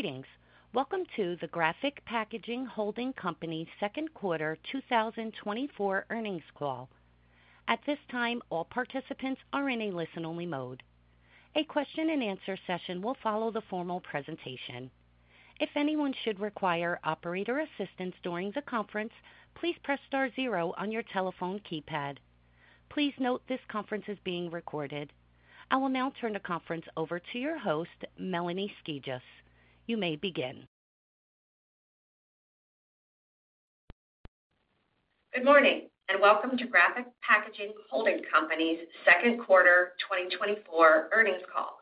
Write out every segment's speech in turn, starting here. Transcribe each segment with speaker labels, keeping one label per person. Speaker 1: Greetings. Welcome to the Graphic Packaging Company Second Quarter 2024 earnings call. At this time, all participants are in a listen-only mode. A Q&A session will follow the formal presentation. If anyone should require operator assistance during the conference, please press star zero on your telephone keypad. Please note this conference is being recorded. I will now turn the conference over to your host, Melanie Skijus. You may begin.
Speaker 2: Good morning and welcome to Graphic Packaging Holding Company's Second Quarter 2024 earnings call.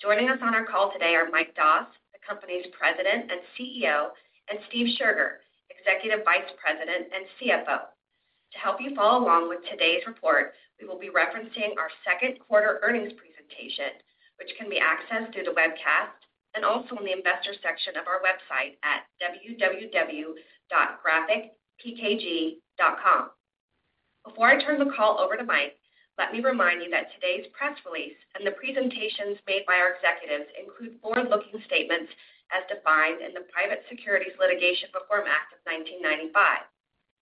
Speaker 2: Joining us on our call today are Mike Doss, the company's President and CEO, and Steve Scherger, Executive Vice President and CFO. To help you follow along with today's report, we will be referencing our second quarter earnings presentation, which can be accessed through the webcast and also in the investor section of our website at www.graphicpkg.com. Before I turn the call over to Mike, let me remind you that today's press release and the presentations made by our executives include forward-looking statements as defined in the Private Securities Litigation Reform Act of 1995.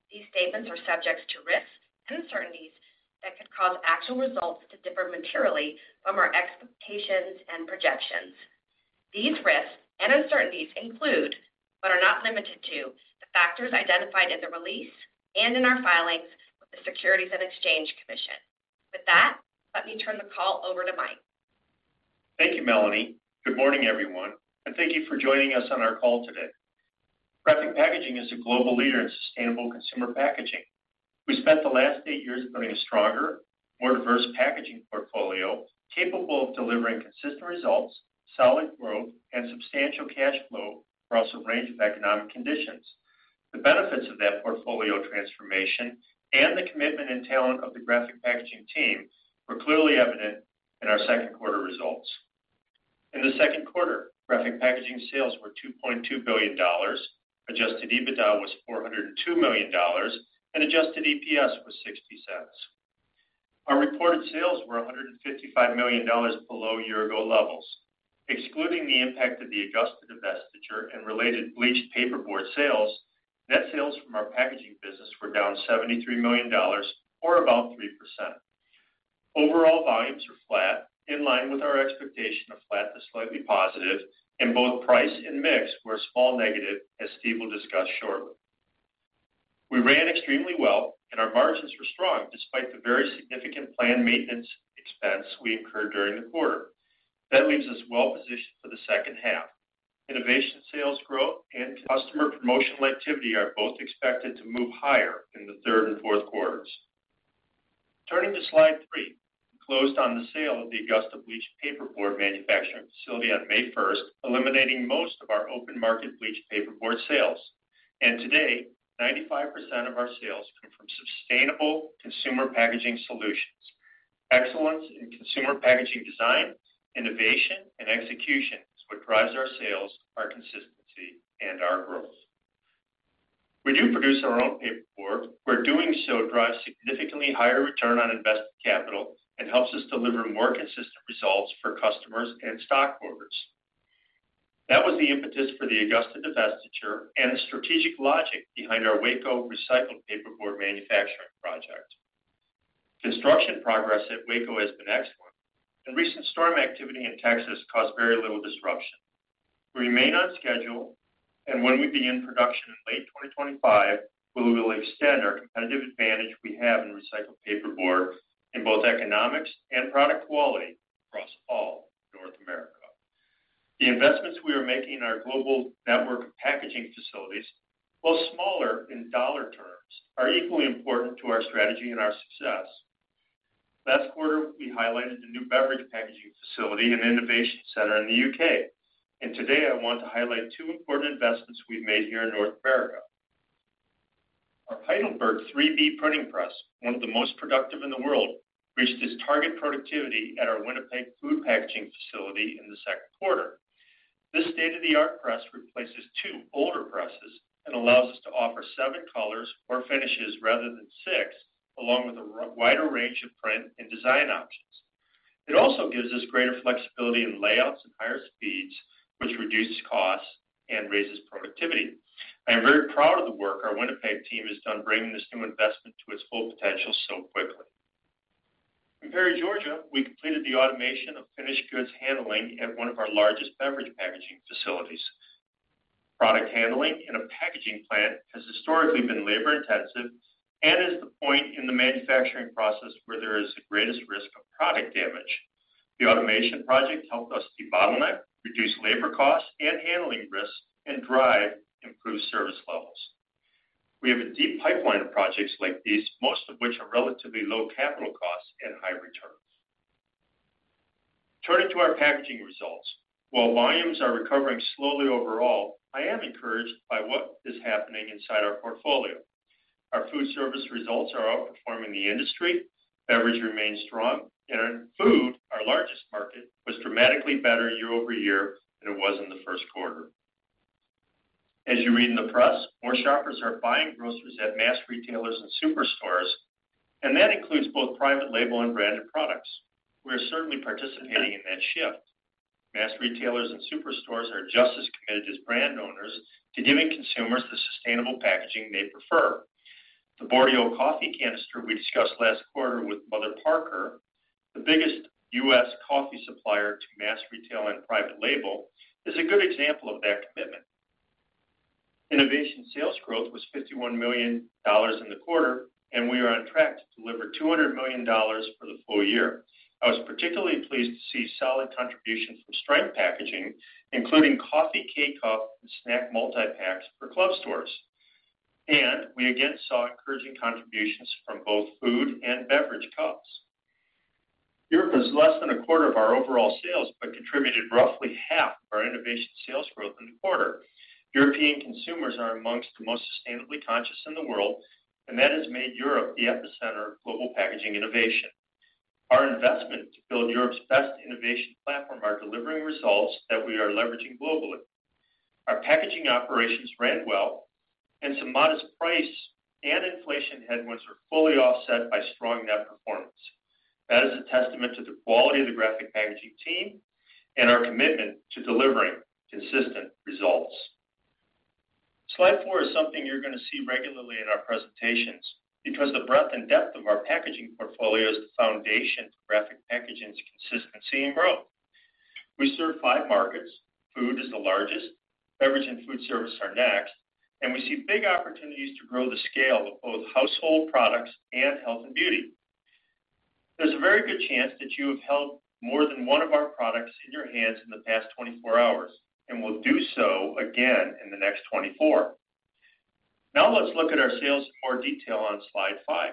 Speaker 2: These statements are subject to risks and uncertainties that could cause actual results to differ materially from our expectations and projections. These risks and uncertainties include, but are not limited to, the factors identified in the release and in our filings with the Securities and Exchange Commission. With that, let me turn the call over to Mike.
Speaker 3: Thank you, Melanie. Good morning, everyone, and thank you for joining us on our call today. Graphic Packaging is a global leader in sustainable consumer packaging. We spent the last eight years building a stronger, more diverse packaging portfolio capable of delivering consistent results, solid growth, and substantial cash flow across a range of economic conditions. The benefits of that portfolio transformation and the commitment and talent of the Graphic Packaging team were clearly evident in our second quarter results. In the second quarter, Graphic Packaging sales were $2.2 billion. Adjusted EBITDA was $402 million, and Adjusted EPS was $0.60. Our reported sales were $155 million below year-ago levels. Excluding the impact of the Adjusted divestiture and related bleached paperboard sales, net sales from our packaging business were down $73 million, or about 3%. Overall, volumes are flat, in line with our expectation of flat to slightly positive, and both price and mix were a small negative, as Steve will discuss shortly. We ran extremely well, and our margins were strong despite the very significant planned maintenance expense we incurred during the quarter. That leaves us well positioned for the second half. Innovation sales, growth, and customer promotional activity are both expected to move higher in the third and fourth quarters. Turning to slide three, we closed on the sale of the Augusta bleached paperboard manufacturing facility on May 1st, eliminating most of our open market bleached paperboard sales. Today, 95% of our sales come from sustainable consumer packaging solutions. Excellence in consumer packaging design, innovation, and execution is what drives our sales, our consistency, and our growth. We do produce our own paperboard, where doing so drives significantly higher return on invested capital and helps us deliver more consistent results for customers and stockholders. That was the impetus for the Augusta divestment and the strategic logic behind our Waco recycled paperboard manufacturing project. Construction progress at Waco has been excellent, and recent storm activity in Texas caused very little disruption. We remain on schedule, and when we begin production in late 2025, we will extend our competitive advantage we have in recycled paperboard in both economics and product quality across all of North America. The investments we are making in our global network of packaging facilities, while smaller in dollar terms, are equally important to our strategy and our success. Last quarter, we highlighted the new beverage packaging facility and innovation center in the U.K. Today, I want to highlight two important investments we've made here in North America. Our Heidelberg 3B printing press, one of the most productive in the world, reached its target productivity at our Winnipeg food packaging facility in the second quarter. This state-of-the-art press replaces two older presses and allows us to offer seven colors or finishes rather than six, along with a wider range of print and design options. It also gives us greater flexibility in layouts and higher speeds, which reduces costs and raises productivity. I am very proud of the work our Winnipeg team has done bringing this new investment to its full potential so quickly. In Perry, Georgia, we completed the automation of finished goods handling at one of our largest beverage packaging facilities. Product handling in a packaging plant has historically been labor-intensive and is the point in the manufacturing process where there is the greatest risk of product damage. The automation project helped us debottleneck, reduce labor costs and handling risks, and drive improved service levels. We have a deep pipeline of projects like these, most of which are relatively low capital costs and high returns. Turning to our packaging results, while volumes are recovering slowly overall, I am encouraged by what is happening inside our portfolio. Our food service results are outperforming the industry. Beverage remains strong, and our food, our largest market, was dramatically better year-over-year than it was in the first quarter. As you read in the press, more shoppers are buying groceries at mass retailers and superstores, and that includes both private label and branded products. We are certainly participating in that shift. Mass retailers and superstores are just as committed as brand owners to giving consumers the sustainable packaging they prefer. The Boardio Coffee Canister we discussed last quarter with Mother Parkers, the biggest U.S. coffee supplier to mass retail and private label, is a good example of that commitment. Innovation sales growth was $51 million in the quarter, and we are on track to deliver $200 million for the full year. I was particularly pleased to see solid contributions from sustainable packaging, including coffee K-Cup and snack multi-packs for club stores. We again saw encouraging contributions from both food and beverage cups. Europe was less than a quarter of our overall sales but contributed roughly half of our innovation sales growth in the quarter. European consumers are among the most sustainably conscious in the world, and that has made Europe the epicenter of global packaging innovation. Our investment to build Europe's best innovation platform is delivering results that we are leveraging globally. Our packaging operations ran well, and some modest price and inflation headwinds are fully offset by strong net performance. That is a testament to the quality of the Graphic Packaging team and our commitment to delivering consistent results. Slide four is something you're going to see regularly in our presentations because the breadth and depth of our packaging portfolio is the foundation for Graphic Packaging's consistency and growth. We serve five markets. Food is the largest. Beverage and food service are next. We see big opportunities to grow the scale of both household products and health and beauty. There's a very good chance that you have held more than one of our products in your hands in the past 24 hours and will do so again in the next 24. Now let's look at our sales in more detail on slide five.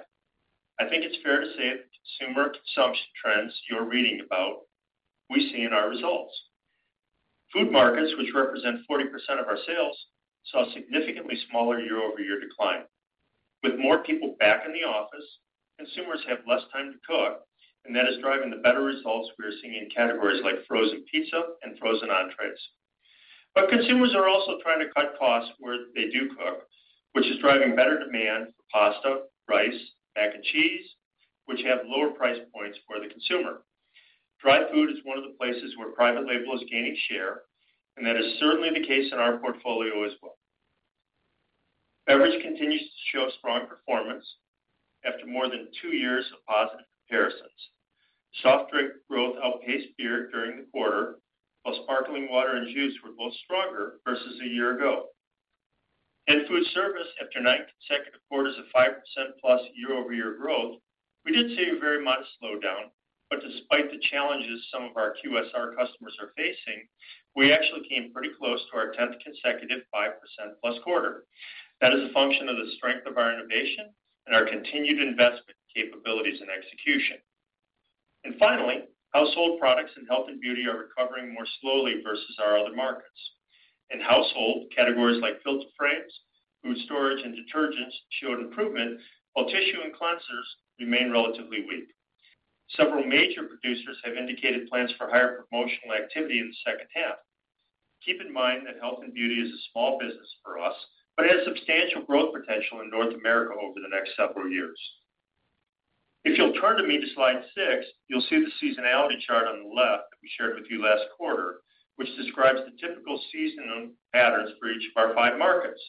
Speaker 3: I think it's fair to say that the consumer consumption trends you're reading about. We see in our results. Food markets, which represent 40% of our sales, saw a significantly smaller year-over-year decline. With more people back in the office, consumers have less time to cook, and that is driving the better results we are seeing in categories like frozen pizza and frozen entrees. But consumers are also trying to cut costs where they do cook, which is driving better demand for pasta, rice, mac and cheese, which have lower price points for the consumer. Dried food is one of the places where private label is gaining share, and that is certainly the case in our portfolio as well. Beverage continues to show strong performance after more than two years of positive comparisons. Soft drink growth outpaced beer during the quarter, while sparkling water and juice were both stronger versus a year ago. Food service, after nine consecutive quarters of 5%+ year-over-year growth, we did see a very modest slowdown. Despite the challenges some of our QSR customers are facing, we actually came pretty close to our 10th consecutive 5%+ quarter. That is a function of the strength of our innovation and our continued investment capabilities and execution. Finally, household products and health and beauty are recovering more slowly versus our other markets. In household categories like filter frames, food storage, and detergents showed improvement, while tissue and cleansers remain relatively weak. Several major producers have indicated plans for higher promotional activity in the second half. Keep in mind that health and beauty is a small business for us, but it has substantial growth potential in North America over the next several years. If you'll turn to me to slide six, you'll see the seasonality chart on the left that we shared with you last quarter, which describes the typical seasonal patterns for each of our five markets.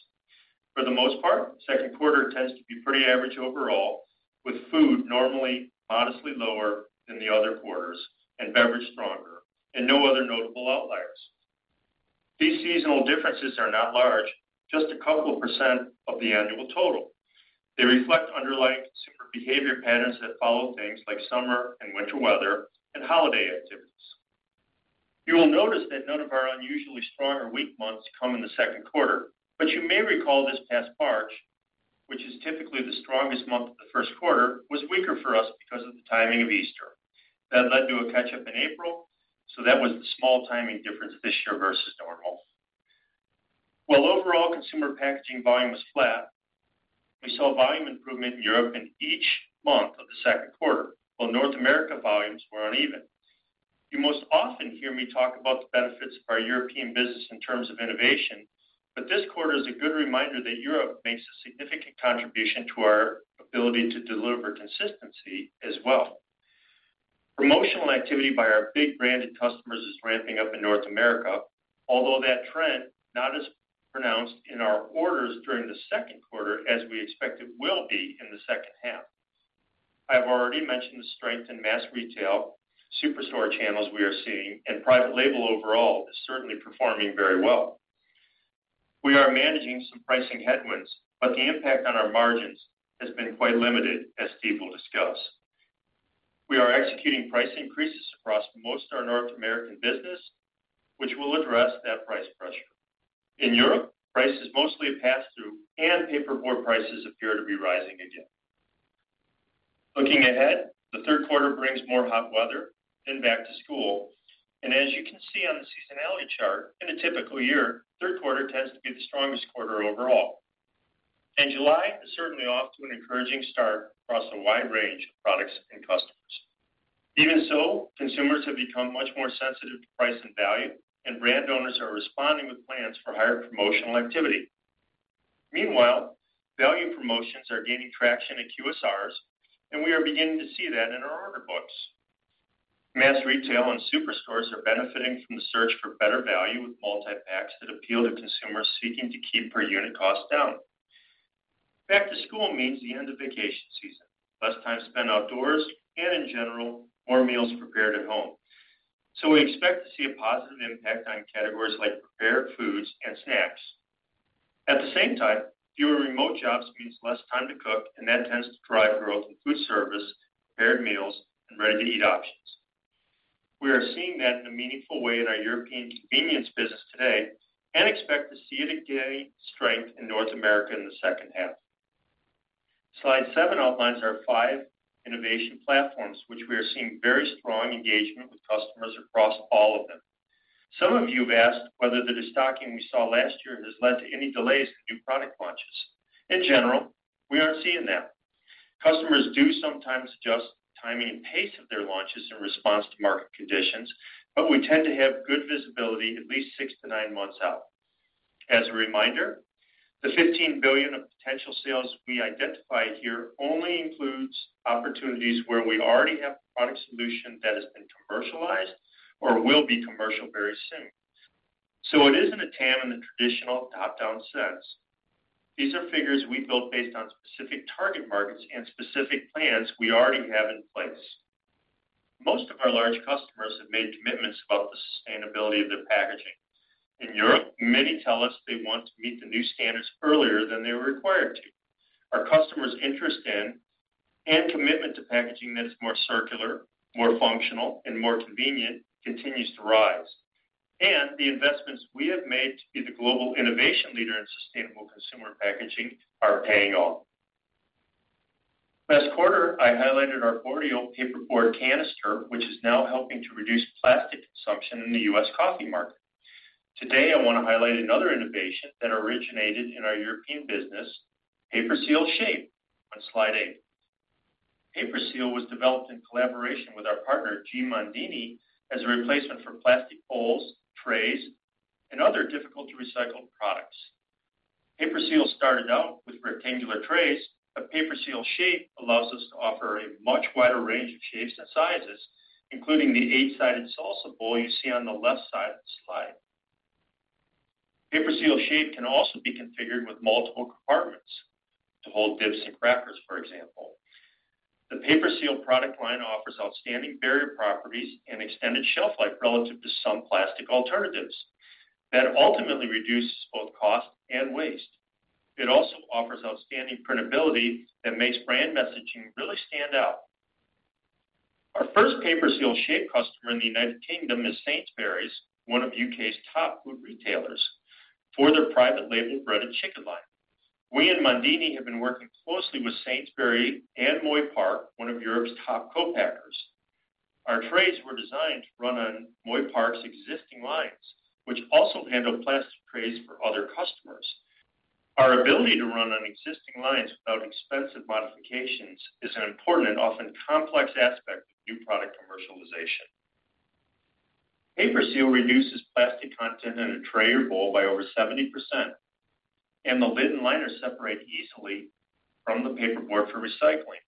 Speaker 3: For the most part, second quarter tends to be pretty average overall, with food normally modestly lower than the other quarters and beverage stronger, and no other notable outliers. These seasonal differences are not large, just a couple of % of the annual total. They reflect underlying consumer behavior patterns that follow things like summer and winter weather and holiday activities. You will notice that none of our unusually strong or weak months come in the second quarter, but you may recall this past March, which is typically the strongest month of the first quarter, was weaker for us because of the timing of Easter. That led to a catch-up in April, so that was the small timing difference this year versus normal. While overall consumer packaging volume was flat, we saw volume improvement in Europe in each month of the second quarter, while North America volumes were uneven. You most often hear me talk about the benefits of our European business in terms of innovation, but this quarter is a good reminder that Europe makes a significant contribution to our ability to deliver consistency as well. Promotional activity by our big branded customers is ramping up in North America, although that trend is not as pronounced in our orders during the second quarter as we expect it will be in the second half. I have already mentioned the strength in mass retail, superstore channels we are seeing, and private label overall is certainly performing very well. We are managing some pricing headwinds, but the impact on our margins has been quite limited, as Steve will discuss. We are executing price increases across most of our North American business, which will address that price pressure. In Europe, price is mostly a pass-through, and paperboard prices appear to be rising again. Looking ahead, the third quarter brings more hot weather and back to school. As you can see on the seasonality chart, in a typical year, third quarter tends to be the strongest quarter overall. July is certainly off to an encouraging start across a wide range of products and customers. Even so, consumers have become much more sensitive to price and value, and brand owners are responding with plans for higher promotional activity. Meanwhile, value promotions are gaining traction at QSRs, and we are beginning to see that in our order books. Mass retail and superstores are benefiting from the search for better value with multi-packs that appeal to consumers seeking to keep per unit cost down. Back to school means the end of vacation season, less time spent outdoors, and in general, more meals prepared at home. So we expect to see a positive impact on categories like prepared foods and snacks. At the same time, fewer remote jobs means less time to cook, and that tends to drive growth in food service, prepared meals, and ready-to-eat options. We are seeing that in a meaningful way in our European convenience business today and expect to see it gain strength in North America in the second half. Slide seven outlines our five innovation platforms, which we are seeing very strong engagement with customers across all of them. Some of you have asked whether the destocking we saw last year has led to any delays in new product launches. In general, we aren't seeing that. Customers do sometimes adjust the timing and pace of their launches in response to market conditions, but we tend to have good visibility at least 6-9 months out. As a reminder, the $15 billion of potential sales we identified here only includes opportunities where we already have a product solution that has been commercialized or will be commercial very soon. So it isn't a TAM in the traditional top-down sense. These are figures we built based on specific target markets and specific plans we already have in place. Most of our large customers have made commitments about the sustainability of their packaging. In Europe, many tell us they want to meet the new standards earlier than they were required to. Our customers' interest in and commitment to packaging that is more circular, more functional, and more convenient continues to rise. And the investments we have made to be the global innovation leader in sustainable consumer packaging are paying off. Last quarter, I highlighted our Boardio Paperboard Canister, which is now helping to reduce plastic consumption in the U.S. coffee market. Today, I want to highlight another innovation that originated in our European business, PaperSeal Shape, on slide eight. PaperSeal was developed in collaboration with our partner, G. Mondini. Mondini, as a replacement for plastic bowls, trays, and other difficult-to-recycle products. PaperSeal started out with rectangular trays, but PaperSeal Shape allows us to offer a much wider range of shapes and sizes, including the eight-sided salsa bowl you see on the left side of the slide. PaperSeal Shape can also be configured with multiple compartments to hold dips and crackers, for example. The PaperSeal product line offers outstanding barrier properties and extended shelf life relative to some plastic alternatives. That ultimately reduces both cost and waste. It also offers outstanding printability that makes brand messaging really stand out. Our first PaperSeal Shape customer in the United Kingdom is Sainsbury's, one of U.K.'s top food retailers, for their private label bread and chicken line. We and G. Mondini have been working closely with Sainsbury's and Moy Park, one of Europe's top co-packers. Our trays were designed to run on Moy Park's existing lines, which also handle plastic trays for other customers. Our ability to run on existing lines without expensive modifications is an important and often complex aspect of new product commercialization. PaperSeal reduces plastic content in a tray or bowl by over 70%, and the lid and liner separate easily from the paperboard for recycling,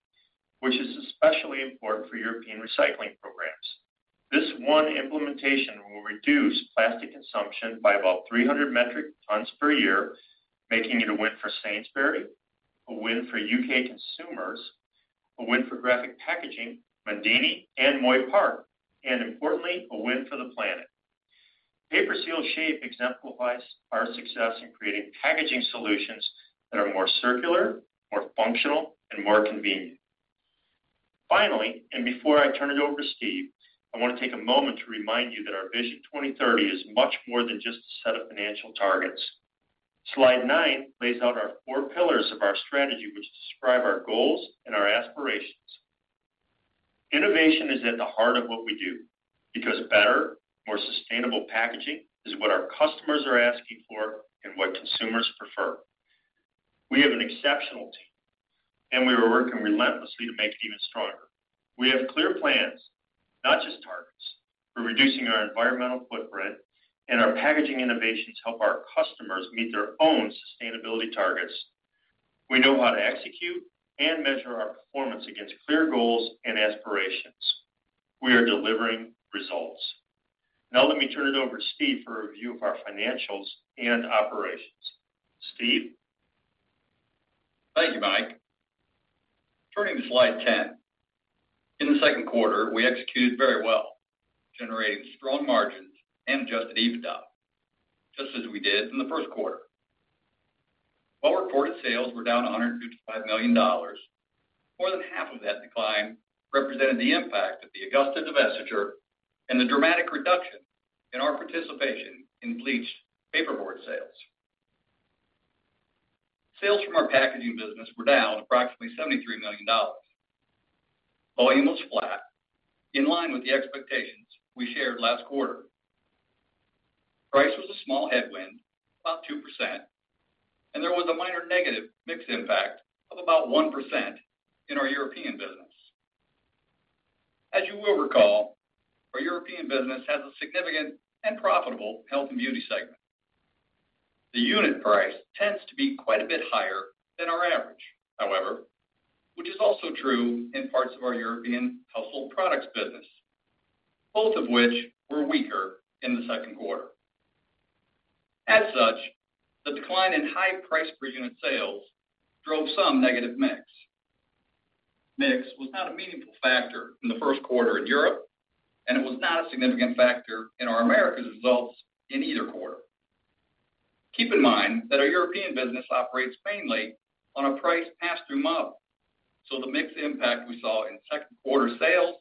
Speaker 3: which is especially important for European recycling programs. This one implementation will reduce plastic consumption by about 300 metric tons per year, making it a win for Sainsbury's, a win for U.K consumers, a win for Graphic Packaging, Mondini, and Moy Park, and importantly, a win for the planet. PaperSeal Shape exemplifies our success in creating packaging solutions that are more circular, more functional, and more convenient. Finally, and before I turn it over to Steve, I want to take a moment to remind you that our Vision 2030 is much more than just a set of financial targets. Slide nine lays out our four pillars of our strategy, which describe our goals and our aspirations. Innovation is at the heart of what we do because better, more sustainable packaging is what our customers are asking for and what consumers prefer. We have an exceptional team, and we are working relentlessly to make it even stronger. We have clear plans, not just targets, for reducing our environmental footprint, and our packaging innovations help our customers meet their own sustainability targets. We know how to execute and measure our performance against clear goals and aspirations. We are delivering results. Now let me turn it over to Steve for a review of our financials and operations. Steve?
Speaker 4: Thank you, Mike. Turning to slide 10. In the second quarter, we executed very well, generating strong margins and Adjusted EBITDA, just as we did in the first quarter. While reported sales were down $155 million, more than half of that decline represented the impact of the Augusta divestiture and the dramatic reduction in our participation in bleached paperboard sales. Sales from our packaging business were down approximately $73 million. Volume was flat, in line with the expectations we shared last quarter. Price was a small headwind, about 2%, and there was a minor negative mixed impact of about 1% in our European business. As you will recall, our European business has a significant and profitable health and beauty segment. The unit price tends to be quite a bit higher than our average, however, which is also true in parts of our European household products business, both of which were weaker in the second quarter. As such, the decline in high price per unit sales drove some negative mix. Mix was not a meaningful factor in the first quarter in Europe, and it was not a significant factor in our America's results in either quarter. Keep in mind that our European business operates mainly on a price pass-through model, so the mixed impact we saw in second quarter sales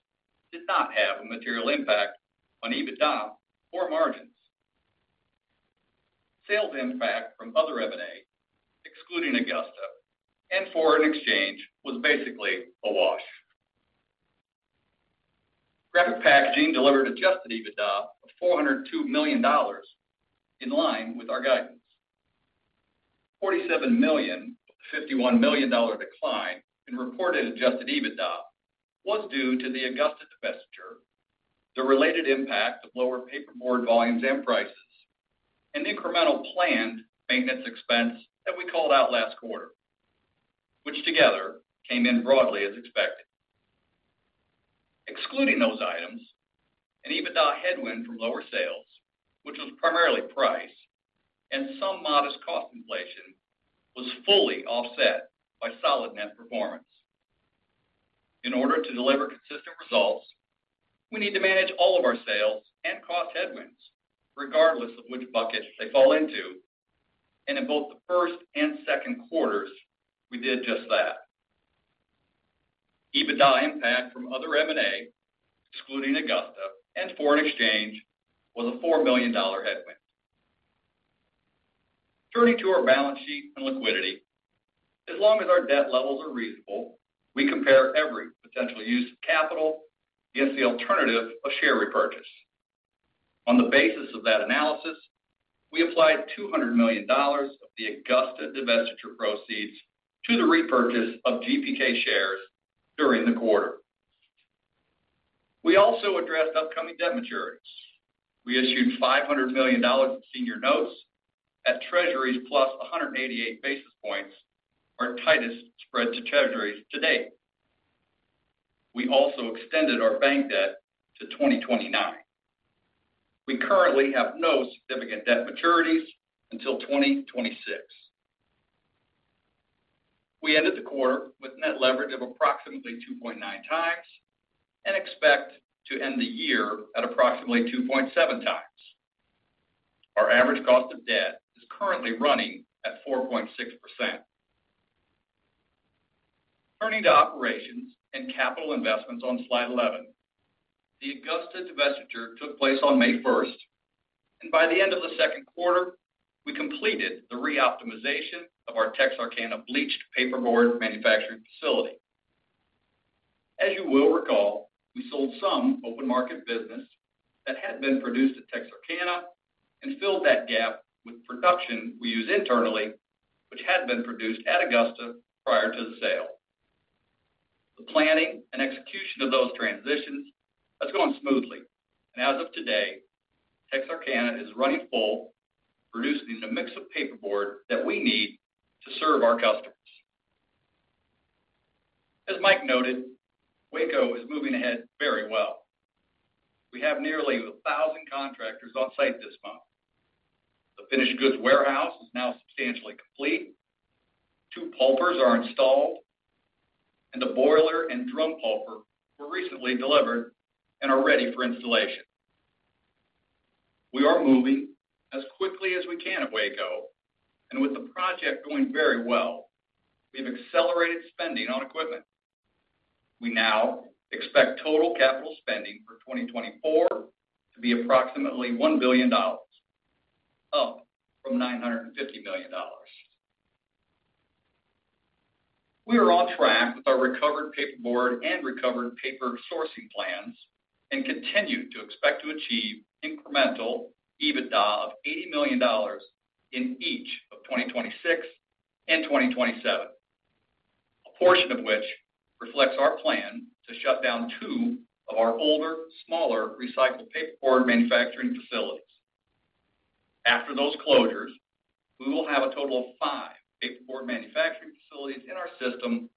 Speaker 4: did not have a material impact on EBITDA or margins. Sales impact from other M&A, excluding Augusta and Foreign Exchange, was basically a wash. Graphic Packaging delivered Adjusted EBITDA of $402 million, in line with our guidance. $47 million of the $51 million decline in reported Adjusted EBITDA was due to the Augusta divestiture, the related impact of lower paperboard volumes and prices, and incremental planned maintenance expense that we called out last quarter, which together came in broadly as expected. Excluding those items, an EBITDA headwind from lower sales, which was primarily price and some modest cost inflation, was fully offset by solid net performance. In order to deliver consistent results, we need to manage all of our sales and cost headwinds, regardless of which bucket they fall into, and in both the first and second quarters, we did just that. EBITDA impact from other M&A, excluding Augusta and foreign exchange, was a $4 million headwind. Turning to our balance sheet and liquidity, as long as our debt levels are reasonable, we compare every potential use of capital against the alternative of share repurchase. On the basis of that analysis, we applied $200 million of the Augusta divestiture proceeds to the repurchase of GPK shares during the quarter. We also addressed upcoming debt maturities. We issued $500 million of senior notes at Treasuries plus 188 basis points, our tightest spread to Treasuries to date. We also extended our bank debt to 2029. We currently have no significant debt maturities until 2026. We ended the quarter with net leverage of approximately 2.9 times and expect to end the year at approximately 2.7 times. Our average cost of debt is currently running at 4.6%. Turning to operations and capital investments on slide 11, the Augusta divestiture took place on May 1st, and by the end of the second quarter, we completed the reoptimization of our Texarkana bleached paperboard manufacturing facility. As you will recall, we sold some open market business that had been produced at Texarkana and filled that gap with production we use internally, which had been produced at Augusta prior to the sale. The planning and execution of those transitions has gone smoothly, and as of today, Texarkana is running full, producing a mix of paperboard that we need to serve our customers. As Mike noted, Waco is moving ahead very well. We have nearly 1,000 contractors on site this month. The finished goods warehouse is now substantially complete. Two pulpers are installed, and the boiler and drum pulper were recently delivered and are ready for installation. We are moving as quickly as we can at Waco, and with the project going very well, we have accelerated spending on equipment. We now expect total capital spending for 2024 to be approximately $1 billion, up from $950 million. We are on track with our recovered paperboard and recovered paper sourcing plans and continue to expect to achieve incremental EBITDA of $80 million in each of 2026 and 2027, a portion of which reflects our plan to shut down two of our older, smaller recycled paperboard manufacturing facilities. After those closures, we will have a total of five paperboard manufacturing facilities in our system,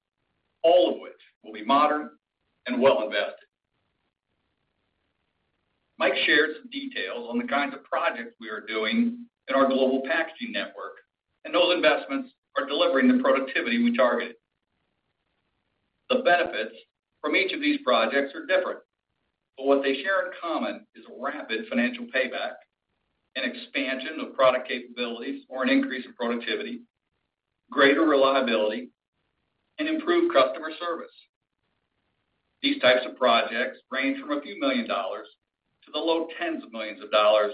Speaker 4: all of which will be modern and well invested. Mike shared some details on the kinds of projects we are doing in our global packaging network, and those investments are delivering the productivity we targeted. The benefits from each of these projects are different, but what they share in common is rapid financial payback and expansion of product capabilities or an increase in productivity, greater reliability, and improved customer service. These types of projects range from $a few million to the low tens of millions of dollars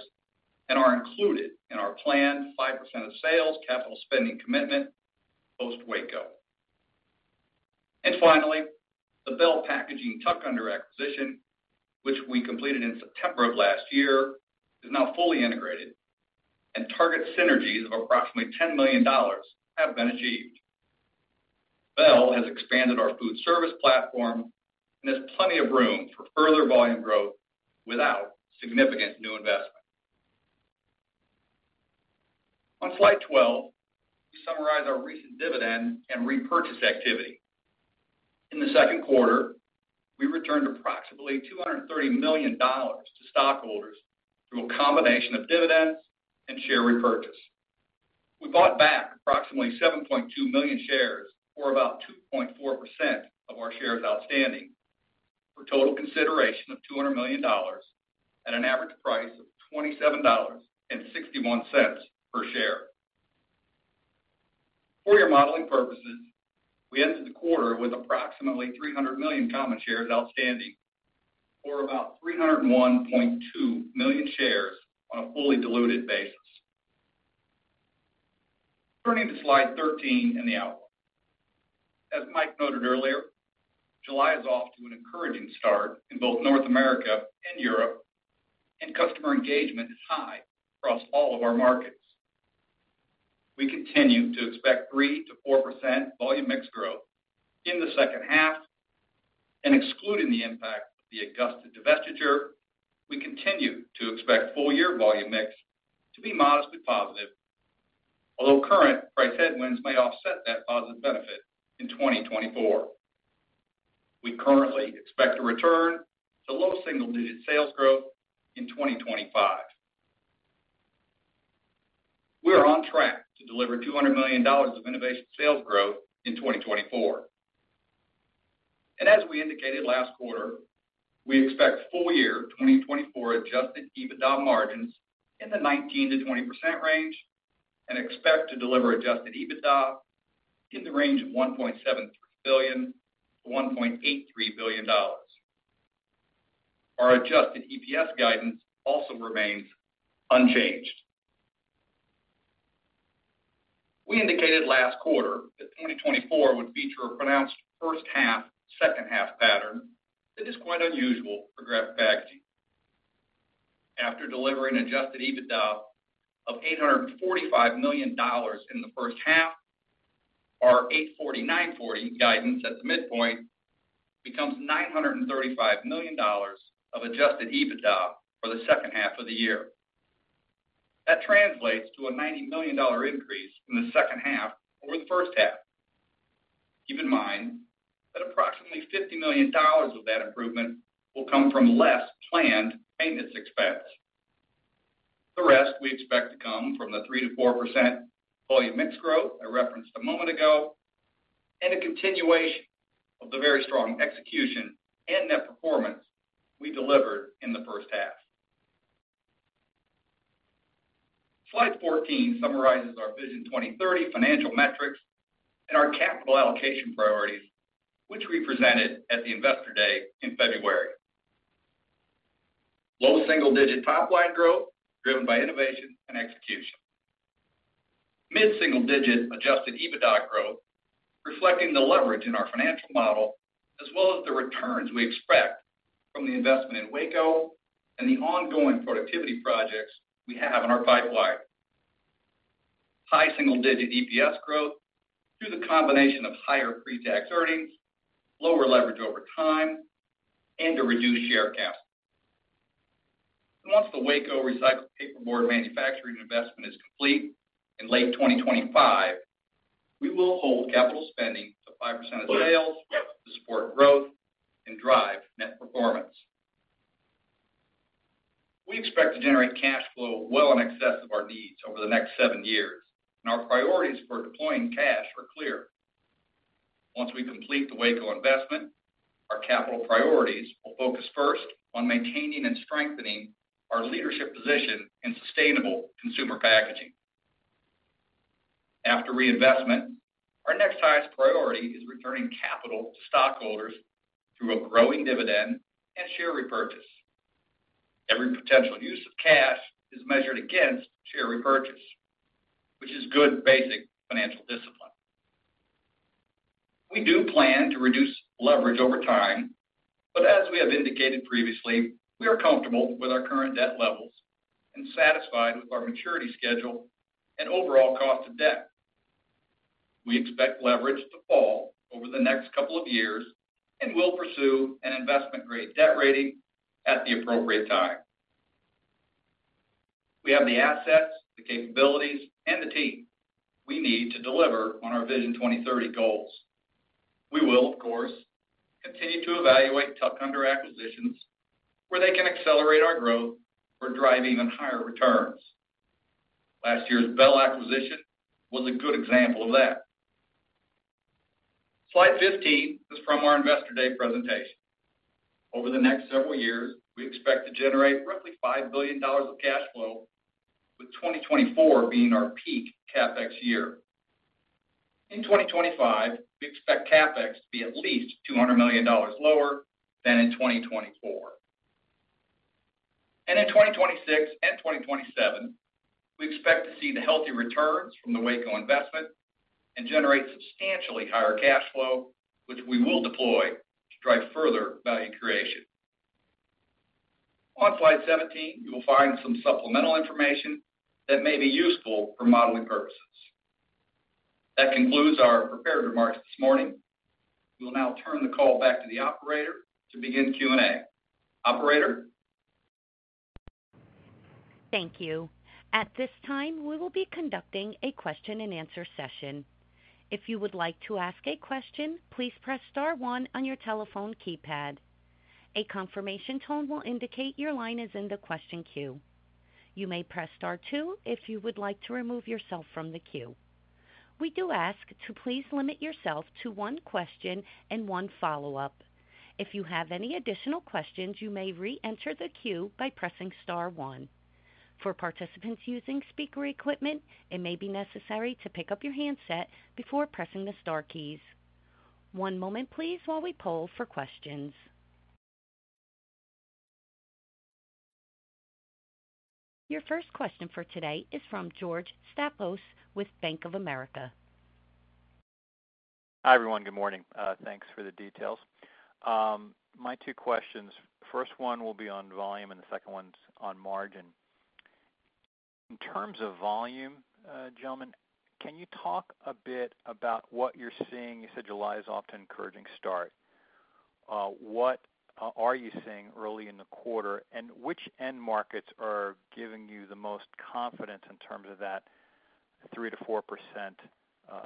Speaker 4: and are included in our planned 5% of sales capital spending commitment post-Waco. Finally, the Bell Packaging tuck-under acquisition, which we completed in September of last year, is now fully integrated, and target synergies of approximately $10 million have been achieved. Bell has expanded our food service platform and has plenty of room for further volume growth without significant new investment. On slide 12, we summarize our recent dividend and repurchase activity. In the second quarter, we returned approximately $230 million to stockholders through a combination of dividends and share repurchase. We bought back approximately 7.2 million shares, or about 2.4% of our shares outstanding, for a total consideration of $200 million at an average price of $27.61 per share. For your modeling purposes, we ended the quarter with approximately 300 million common shares outstanding, or about 301.2 million shares on a fully diluted basis. Turning to slide 13 in the outline. As Mike noted earlier, July is off to an encouraging start in both North America and Europe, and customer engagement is high across all of our markets. We continue to expect 3%-4% volume mix growth in the second half, and excluding the impact of the Augusta divestiture, we continue to expect full year volume mix to be modestly positive, although current price headwinds may offset that positive benefit in 2024. We currently expect a return to low single-digit sales growth in 2025. We are on track to deliver $200 million of innovation sales growth in 2024. As we indicated last quarter, we expect full year 2024 Adjusted EBITDA margins in the 19%-20% range and expect to deliver Adjusted EBITDA in the range of $1.73 billion-$1.83 billion. Our Adjusted EPS guidance also remains unchanged. We indicated last quarter that 2024 would feature a pronounced first half, second half pattern that is quite unusual for Graphic Packaging. After delivering Adjusted EBITDA of $845 million in the first half, our $840-$940 million guidance at the midpoint becomes $935 million of Adjusted EBITDA for the second half of the year. That translates to a $90 million increase in the second half over the first half. Keep in mind that approximately $50 million of that improvement will come from less planned maintenance expense. The rest we expect to come from the 3%-4% volume mix growth I referenced a moment ago and a continuation of the very strong execution and net performance we delivered in the first half. Slide 14 summarizes our Vision 2030 financial metrics and our capital allocation priorities, which we presented at the investor day in February. Low single-digit top line growth driven by innovation and execution. Mid-single-digit Adjusted EBITDA growth reflecting the leverage in our financial model as well as the returns we expect from the investment in Waco and the ongoing productivity projects we have in our pipeline. High single-digit EPS growth through the combination of higher pre-tax earnings, lower leverage over time, and a reduced share cap. And once the Waco recycled paperboard manufacturing investment is complete in late 2025, we will hold capital spending to 5% of sales to support growth and drive net performance. We expect to generate cash flow well in excess of our needs over the next seven years, and our priorities for deploying cash are clear. Once we complete the Waco investment, our capital priorities will focus first on maintaining and strengthening our leadership position in sustainable consumer packaging. After reinvestment, our next highest priority is returning capital to stockholders through a growing dividend and share repurchase. Every potential use of cash is measured against share repurchase, which is good basic financial discipline. We do plan to reduce leverage over time, but as we have indicated previously, we are comfortable with our current debt levels and satisfied with our maturity schedule and overall cost of debt. We expect leverage to fall over the next couple of years and will pursue an investment-grade debt rating at the appropriate time. We have the assets, the capabilities, and the team we need to deliver on our Vision 2030 goals. We will, of course, continue to evaluate Tuck Under acquisitions where they can accelerate our growth or drive even higher returns. Last year's Bell acquisition was a good example of that. Slide 15 is from our investor day presentation. Over the next several years, we expect to generate roughly $5 billion of cash flow, with 2024 being our peak CapEx year. In 2025, we expect CapEx to be at least $200 million lower than in 2024. In 2026 and 2027, we expect to see the healthy returns from the Waco investment and generate substantially higher cash flow, which we will deploy to drive further value creation. On slide 17, you will find some supplemental information that may be useful for modeling purposes. That concludes our prepared remarks this morning. We will now turn the call back to the operator to begin Q&A. Operator.
Speaker 1: Thank you. At this time, we will be conducting a question-and-answer session. If you would like to ask a question, please press star one on your telephone keypad. A confirmation tone will indicate your line is in the question queue. You may press star two if you would like to remove yourself from the queue. We do ask to please limit yourself to one question and one follow-up. If you have any additional questions, you may re-enter the queue by pressing star one. For participants using speaker equipment, it may be necessary to pick up your handset before pressing the star keys. One moment, please, while we poll for questions. Your first question for today is from George Staphos with Bank of America.
Speaker 5: Hi, everyone. Good morning. Thanks for the details. My two questions, first one will be on volume and the second one's on margin. In terms of volume, gentlemen, can you talk a bit about what you're seeing? You said July is off to an encouraging start. What are you seeing early in the quarter, and which end markets are giving you the most confidence in terms of that 3%-4%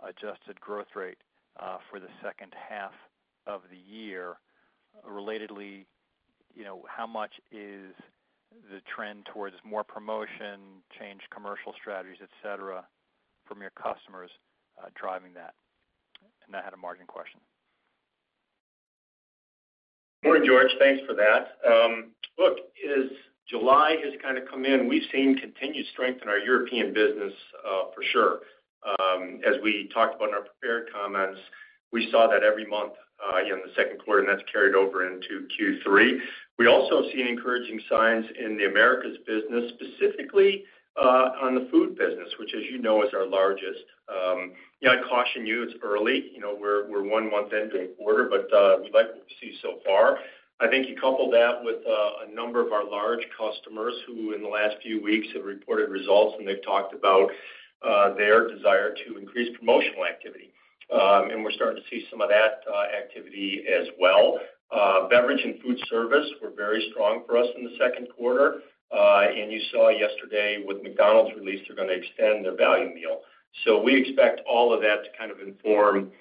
Speaker 5: Adjusted Growth Rate for the second half of the year? Relatedly, how much is the trend towards more promotion, changed commercial strategies, etc., from your customers driving that? And I had a margin question.
Speaker 3: Morning, George. Thanks for that. Look, as July has kind of come in, we've seen continued strength in our European business for sure. As we talked about in our prepared comments, we saw that every month in the second quarter, and that's carried over into Q3. We also see encouraging signs in the Americas business, specifically on the food business, which, as you know, is our largest. I caution you, it's early. We're one month into the quarter, but we like what we see so far. I think you couple that with a number of our large customers who in the last few weeks have reported results, and they've talked about their desire to increase promotional activity. We're starting to see some of that activity as well. Beverage and food service were very strong for us in the second quarter. You saw yesterday with McDonald's release, they're going to extend their value meal. We expect all of that to kind of inform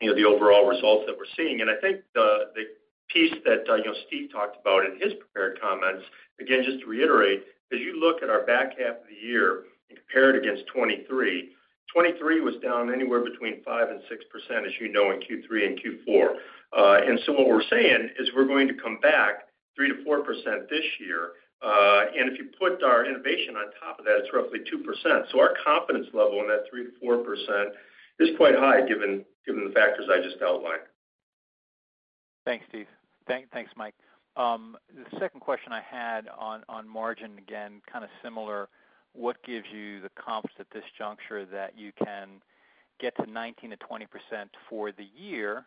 Speaker 3: the overall results that we're seeing. I think the piece that Steve talked about in his prepared comments, again, just to reiterate, as you look at our back half of the year and compare it against 2023, 2023 was down anywhere between 5%-6%, as you know, in Q3 and Q4. And so what we're saying is we're going to come back 3%-4% this year. And if you put our innovation on top of that, it's roughly 2%. So our confidence level in that 3%-4% is quite high given the factors I just outlined.
Speaker 5: Thanks, Steve. Thanks, Mike. The second question I had on margin, again, kind of similar. What gives you the confidence at this juncture that you can get to 19%-20% for the year,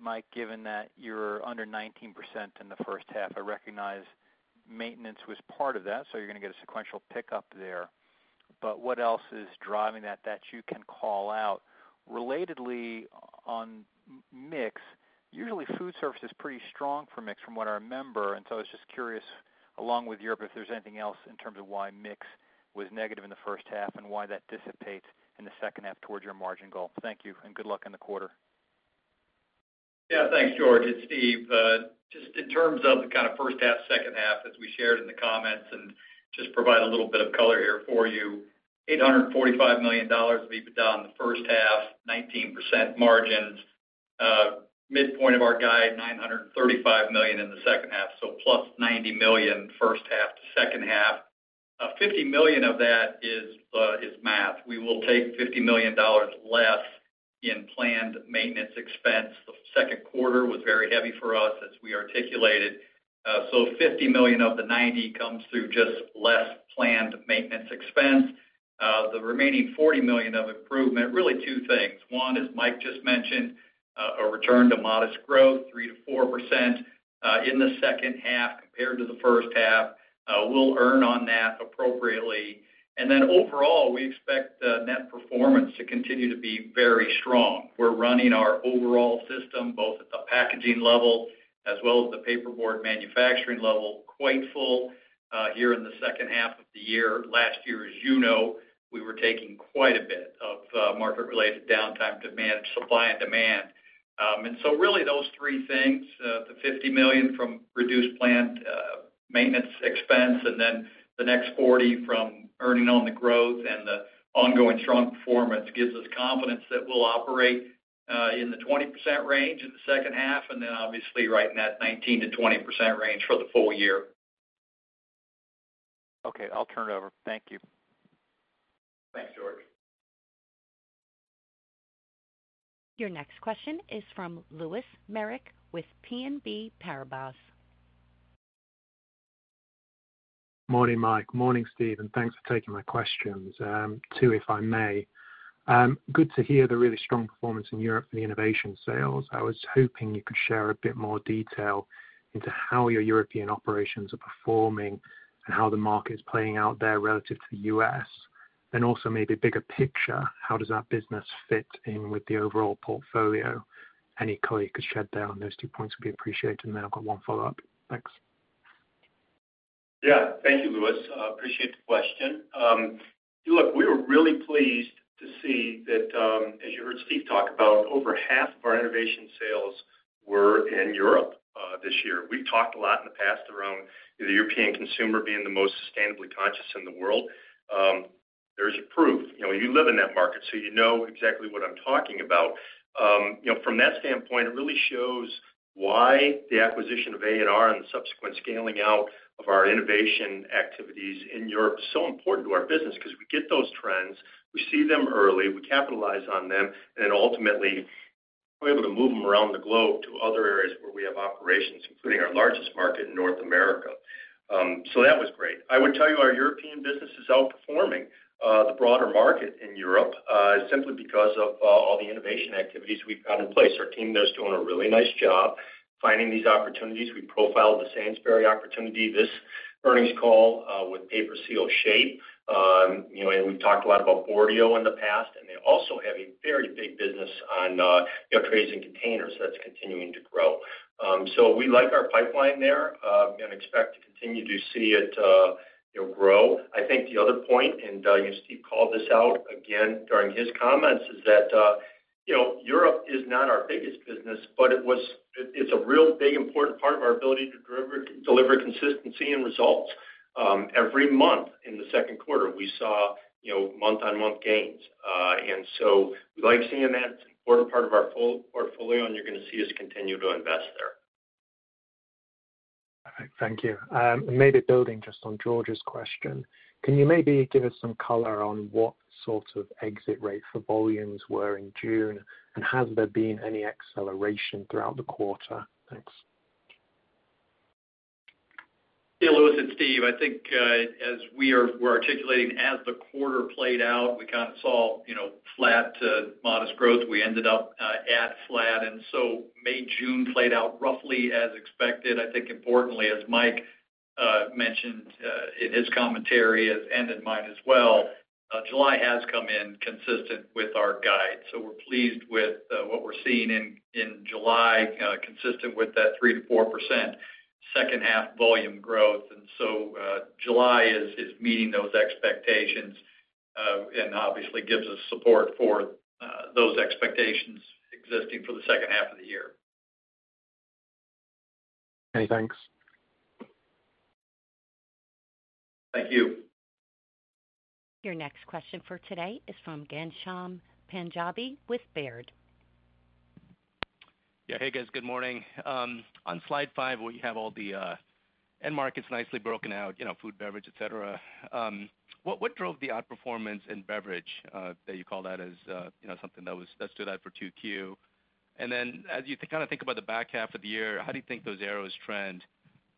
Speaker 5: Mike, given that you're under 19% in the first half? I recognize maintenance was part of that, so you're going to get a sequential pickup there. But what else is driving that that you can call out? Relatedly on mix, usually food service is pretty strong for mix from what I remember. And so I was just curious, along with Europe, if there's anything else in terms of why mix was negative in the first half and why that dissipates in the second half towards your margin goal. Thank you, and good luck in the quarter.
Speaker 4: Yeah, thanks, George. It's Steve. Just in terms of the kind of first half, second half, as we shared in the comments, and just provide a little bit of color here for you. $845 million of EBITDA in the first half, 19% margins. Midpoint of our guide, $935 million in the second half. So plus $90 million first half to second half. $50 million of that is math. We will take $50 million less in planned maintenance expense. The second quarter was very heavy for us, as we articulated. So $50 million of the $90 million comes through just less planned maintenance expense. The remaining $40 million of improvement, really two things. One is Mike just mentioned, a return to modest growth, 3%-4% in the second half compared to the first half. We'll earn on that appropriately. And then overall, we expect net performance to continue to be very strong. We're running our overall system, both at the packaging level as well as the paperboard manufacturing level, quite full here in the second half of the year. Last year, as you know, we were taking quite a bit of market-related downtime to manage supply and demand. So really those three things, the $50 million from reduced planned maintenance expense and then the next $40 million from earning on the growth and the ongoing strong performance gives us confidence that we'll operate in the 20% range in the second half and then obviously right in that 19%-20% range for the full year.
Speaker 5: Okay. I'll turn it over. Thank you.
Speaker 3: Thanks, George.
Speaker 1: Your next question is from Lewis Merrick with BNP Paribas.
Speaker 6: Morning, Mike. Morning, Steve. And thanks for taking my questions, too, if I may. Good to hear the really strong performance in Europe for the innovation sales. I was hoping you could share a bit more detail into how your European operations are performing and how the market is playing out there relative to the U.S. And also maybe a bigger picture, how does that business fit in with the overall portfolio? Any color you could shed there on those two points would be appreciated. And then I've got one follow-up. Thanks.
Speaker 3: Yeah. Thank you, Lewis. Appreciate the question. Look, we were really pleased to see that, as you heard Steve talk about, over half of our innovation sales were in Europe this year. We've talked a lot in the past around the European consumer being the most sustainably conscious in the world. There's proof. You live in that market, so you know exactly what I'm talking about. From that standpoint, it really shows why the acquisition of A&R and the subsequent scaling out of our innovation activities in Europe is so important to our business because we get those trends, we see them early, we capitalize on them, and then ultimately we're able to move them around the globe to other areas where we have operations, including our largest market in North America. So that was great. I would tell you our European business is outperforming the broader market in Europe simply because of all the innovation activities we've got in place. Our team there is doing a really nice job finding these opportunities. We profiled the Sainsbury's opportunity this earnings call with PaperSeal Shape. And we've talked a lot about Boardio in the past, and they also have a very big business on trades and containers that's continuing to grow. So we like our pipeline there and expect to continue to see it grow. I think the other point, and Steve called this out again during his comments, is that Europe is not our biggest business, but it's a real big important part of our ability to deliver consistency and results. Every month in the second quarter, we saw month-on-month gains. And so we like seeing that. It's an important part of our portfolio, and you're going to see us continue to invest there.
Speaker 6: Perfect. Thank you. And maybe building just on George's question, can you maybe give us some color on what sort of exit rate for volumes were in June, and has there been any acceleration throughout the quarter? Thanks.
Speaker 4: Yeah, Lewis and Steve, I think as we were articulating, as the quarter played out, we kind of saw flat to modest growth. We ended up at flat. And so May, June played out roughly as expected. I think importantly, as Mike mentioned in his commentary, and in mine as well, July has come in consistent with our guide. So we're pleased with what we're seeing in July, consistent with that 3%-4% second-half volume growth. And so July is meeting those expectations and obviously gives us support for those expectations existing for the second half of the year.
Speaker 6: Many thanks.
Speaker 3: Thank you.
Speaker 1: Your next question for today is from Ghansham Panjabi with Baird.
Speaker 7: Yeah. Hey, guys. Good morning. On slide five, we have all the end markets nicely broken out, food, beverage, etc. What drove the outperformance in beverage that you call that as something that stood out for 2Q? Then as you kind of think about the back half of the year, how do you think those arrows trend,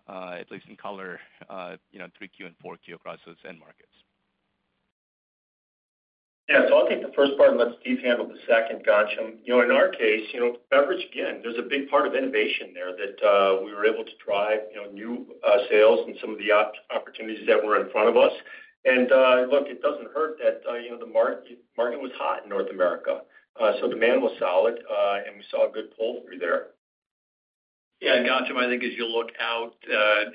Speaker 7: at least in color, 3Q and 4Q across those end markets?
Speaker 3: Yeah. So I'll take the first part, and let Steve handle the second, Ghansham. In our case, beverage, again, there's a big part of innovation there that we were able to drive new sales and some of the opportunities that were in front of us. And look, it doesn't hurt that the market was hot in North America. So demand was solid, and we saw a good pull-through there.
Speaker 4: Yeah. Ghansham, I think as you look out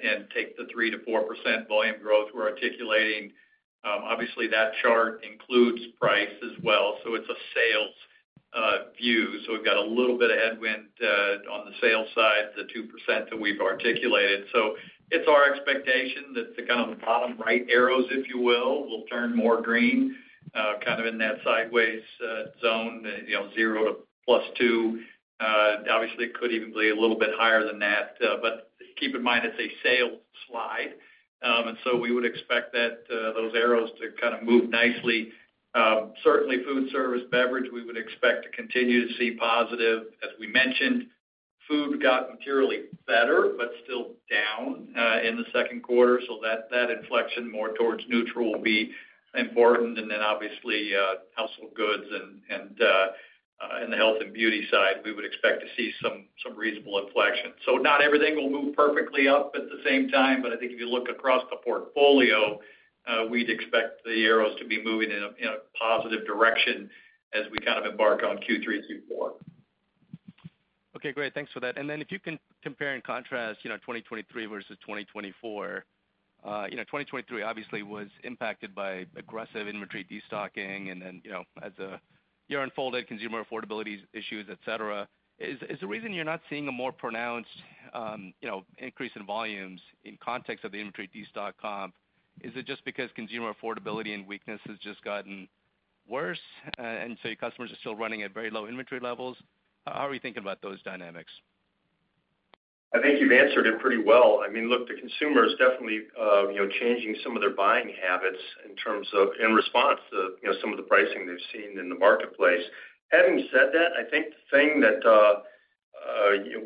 Speaker 4: and take the 3%-4% volume growth we're articulating, obviously that chart includes price as well. So it's a sales view. So we've got a little bit of headwind on the sales side, the 2% that we've articulated. So it's our expectation that the kind of bottom right arrows, if you will, will turn more green, kind of in that sideways zone, 0 to +2. Obviously, it could even be a little bit higher than that. But keep in mind, it's a sales slide. And so we would expect those arrows to kind of move nicely. Certainly, food service, beverage, we would expect to continue to see positive. As we mentioned, food got materially better, but still down in the second quarter. So that inflection more towards neutral will be important. And then obviously, household goods and the health and beauty side, we would expect to see some reasonable inflection. So not everything will move perfectly up at the same time, but I think if you look across the portfolio, we'd expect the arrows to be moving in a positive direction as we kind of embark on Q3, Q4.
Speaker 7: Okay. Great. Thanks for that. And then if you can compare and contrast 2023 versus 2024, 2023 obviously was impacted by aggressive inventory destocking and then as the year unfolded, consumer affordability issues, etc. Is the reason you're not seeing a more pronounced increase in volumes in context of the inventory destock comp, is it just because consumer affordability and weakness has just gotten worse and so your customers are still running at very low inventory levels? How are you thinking about those dynamics?
Speaker 3: I think you've answered it pretty well. I mean, look, the consumer is definitely changing some of their buying habits in response to some of the pricing they've seen in the marketplace. Having said that, I think the thing that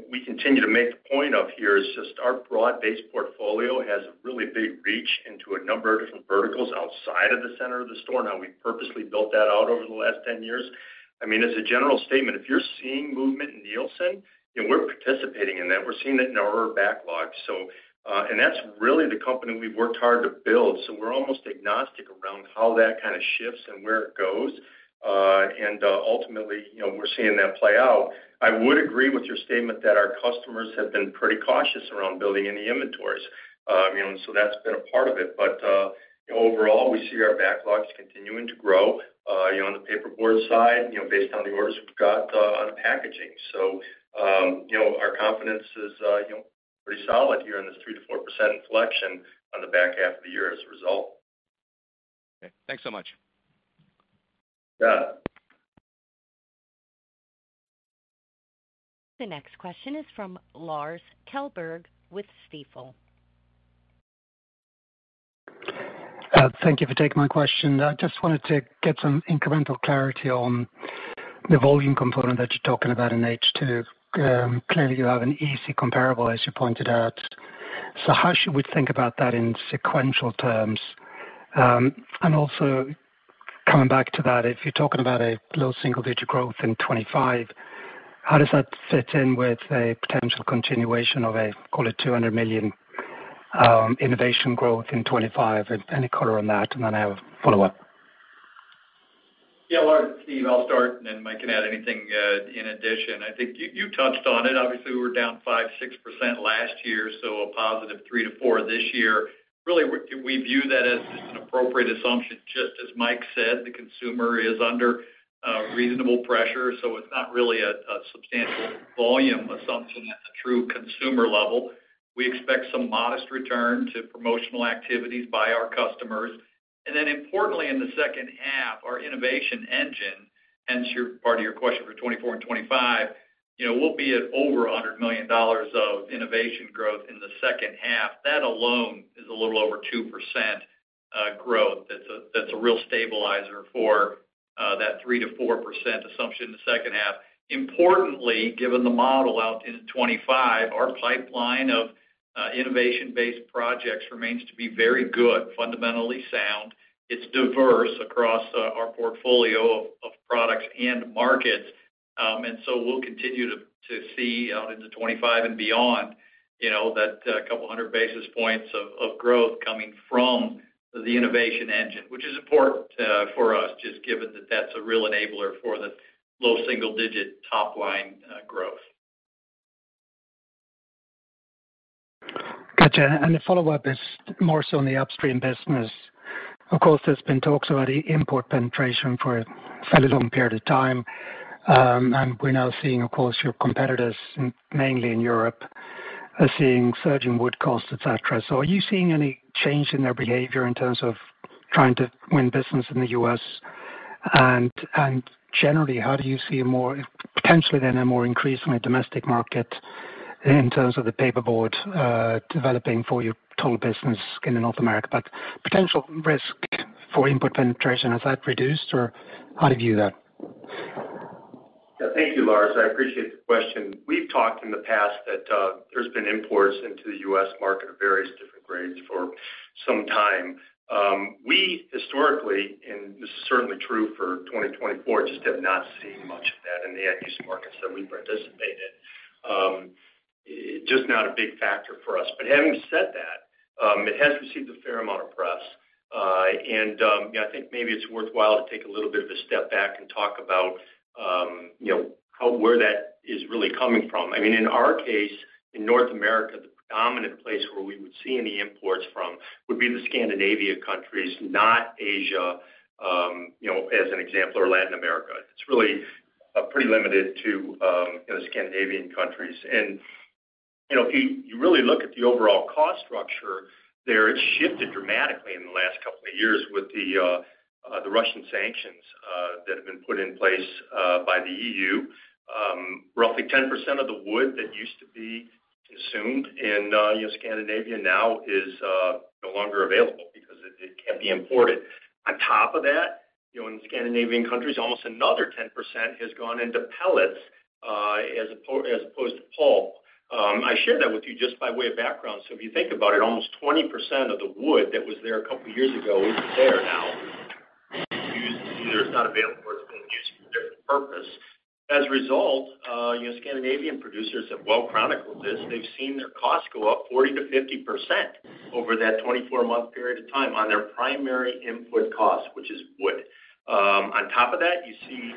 Speaker 3: we continue to make the point of here is just our broad-based portfolio has a really big reach into a number of different verticals outside of the center of the store. Now, we've purposely built that out over the last 10 years. I mean, as a general statement, if you're seeing movement in Nielsen, we're participating in that. We're seeing it in our backlog. And that's really the company we've worked hard to build. So we're almost agnostic around how that kind of shifts and where it goes. And ultimately, we're seeing that play out. I would agree with your statement that our customers have been pretty cautious around building any inventories. So that's been a part of it. But overall, we see our backlogs continuing to grow on the paperboard side based on the orders we've got on packaging. So our confidence is pretty solid here in this 3%-4% inflection on the back half of the year as a result.
Speaker 7: Okay. Thanks so much.
Speaker 3: Yeah.
Speaker 1: The next question is from Lars Kjellberg with Stifel.
Speaker 8: Thank you for taking my question. I just wanted to get some incremental clarity on the volume component that you're talking about in H2. Clearly, you have an easy comparable, as you pointed out. So how should we think about that in sequential terms? And also coming back to that, if you're talking about a low single-digit growth in 2025, how does that fit in with a potential continuation of a, call it, $200 million innovation growth in 2025? Any color on that? Then I'll follow up.
Speaker 4: Yeah. Lars and Steve, I'll start, and then Mike can add anything in addition. I think you touched on it. Obviously, we were down 5%-6% last year, so a positive 3%-4% this year. Really, we view that as just an appropriate assumption. Just as Mike said, the consumer is under reasonable pressure. So it's not really a substantial volume assumption at the true consumer level. We expect some modest return to promotional activities by our customers. And then importantly, in the second half, our innovation engine, hence part of your question for 2024 and 2025, will be at over $100 million of innovation growth in the second half. That alone is a little over 2% growth. That's a real stabilizer for that 3%-4% assumption in the second half. Importantly, given the model out in 2025, our pipeline of innovation-based projects remains to be very good, fundamentally sound. It's diverse across our portfolio of products and markets. And so we'll continue to see out into 2025 and beyond that couple hundred basis points of growth coming from the innovation engine, which is important for us, just given that that's a real enabler for the low single-digit top-line growth.
Speaker 8: Gotcha. The follow-up is more so in the upstream business. Of course, there's been talks about the import penetration for a fairly long period of time. We're now seeing, of course, your competitors, mainly in Europe, are seeing surging wood costs, etc. So are you seeing any change in their behavior in terms of trying to win business in the U.S.? Generally, how do you see potentially then a more increasingly domestic market in terms of the paperboard developing for your total business in North America? But potential risk for import penetration, has that reduced, or how do you view that?
Speaker 3: Yeah. Thank you, Lars. I appreciate the question. We've talked in the past that there's been imports into the U.S. market of various different grades for some time. We historically, and this is certainly true for 2024, just have not seen much of that in the end-use markets that we participate in. Just not a big factor for us. But having said that, it has received a fair amount of press. And I think maybe it's worthwhile to take a little bit of a step back and talk about where that is really coming from. I mean, in our case, in North America, the predominant place where we would see any imports from would be the Scandinavian countries, not Asia, as an example, or Latin America. It's really pretty limited to the Scandinavian countries. And if you really look at the overall cost structure there, it's shifted dramatically in the last couple of years with the Russian sanctions that have been put in place by the EU. Roughly 10% of the wood that used to be consumed in Scandinavia now is no longer available because it can't be imported. On top of that, in the Scandinavian countries, almost another 10% has gone into pellets as opposed to pulp. I share that with you just by way of background. So if you think about it, almost 20% of the wood that was there a couple of years ago isn't there now. It's used to be there. It's not available, or it's being used for a different purpose. As a result, Scandinavian producers have well chronicled this. They've seen their cost go up 40%-50% over that 24-month period of time on their primary input cost, which is wood. On top of that, you see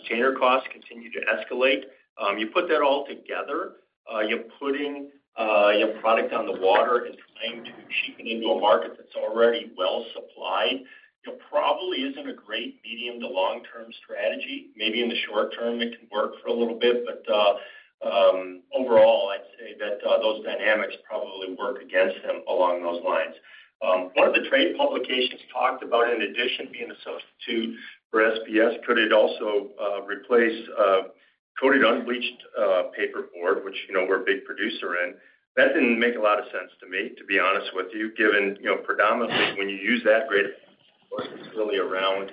Speaker 3: container costs continue to escalate. You put that all together, you're putting your product on the water and trying to cheapen into a market that's already well supplied, probably isn't a great medium to long-term strategy. Maybe in the short term, it can work for a little bit. But overall, I'd say that those dynamics probably work against them along those lines. One of the trade publications talked about, in addition, being a substitute for SBS, could it also replace coated unbleached paperboard, which we're a big producer in? That didn't make a lot of sense to me, to be honest with you, given predominantly when you use that grade, it's really around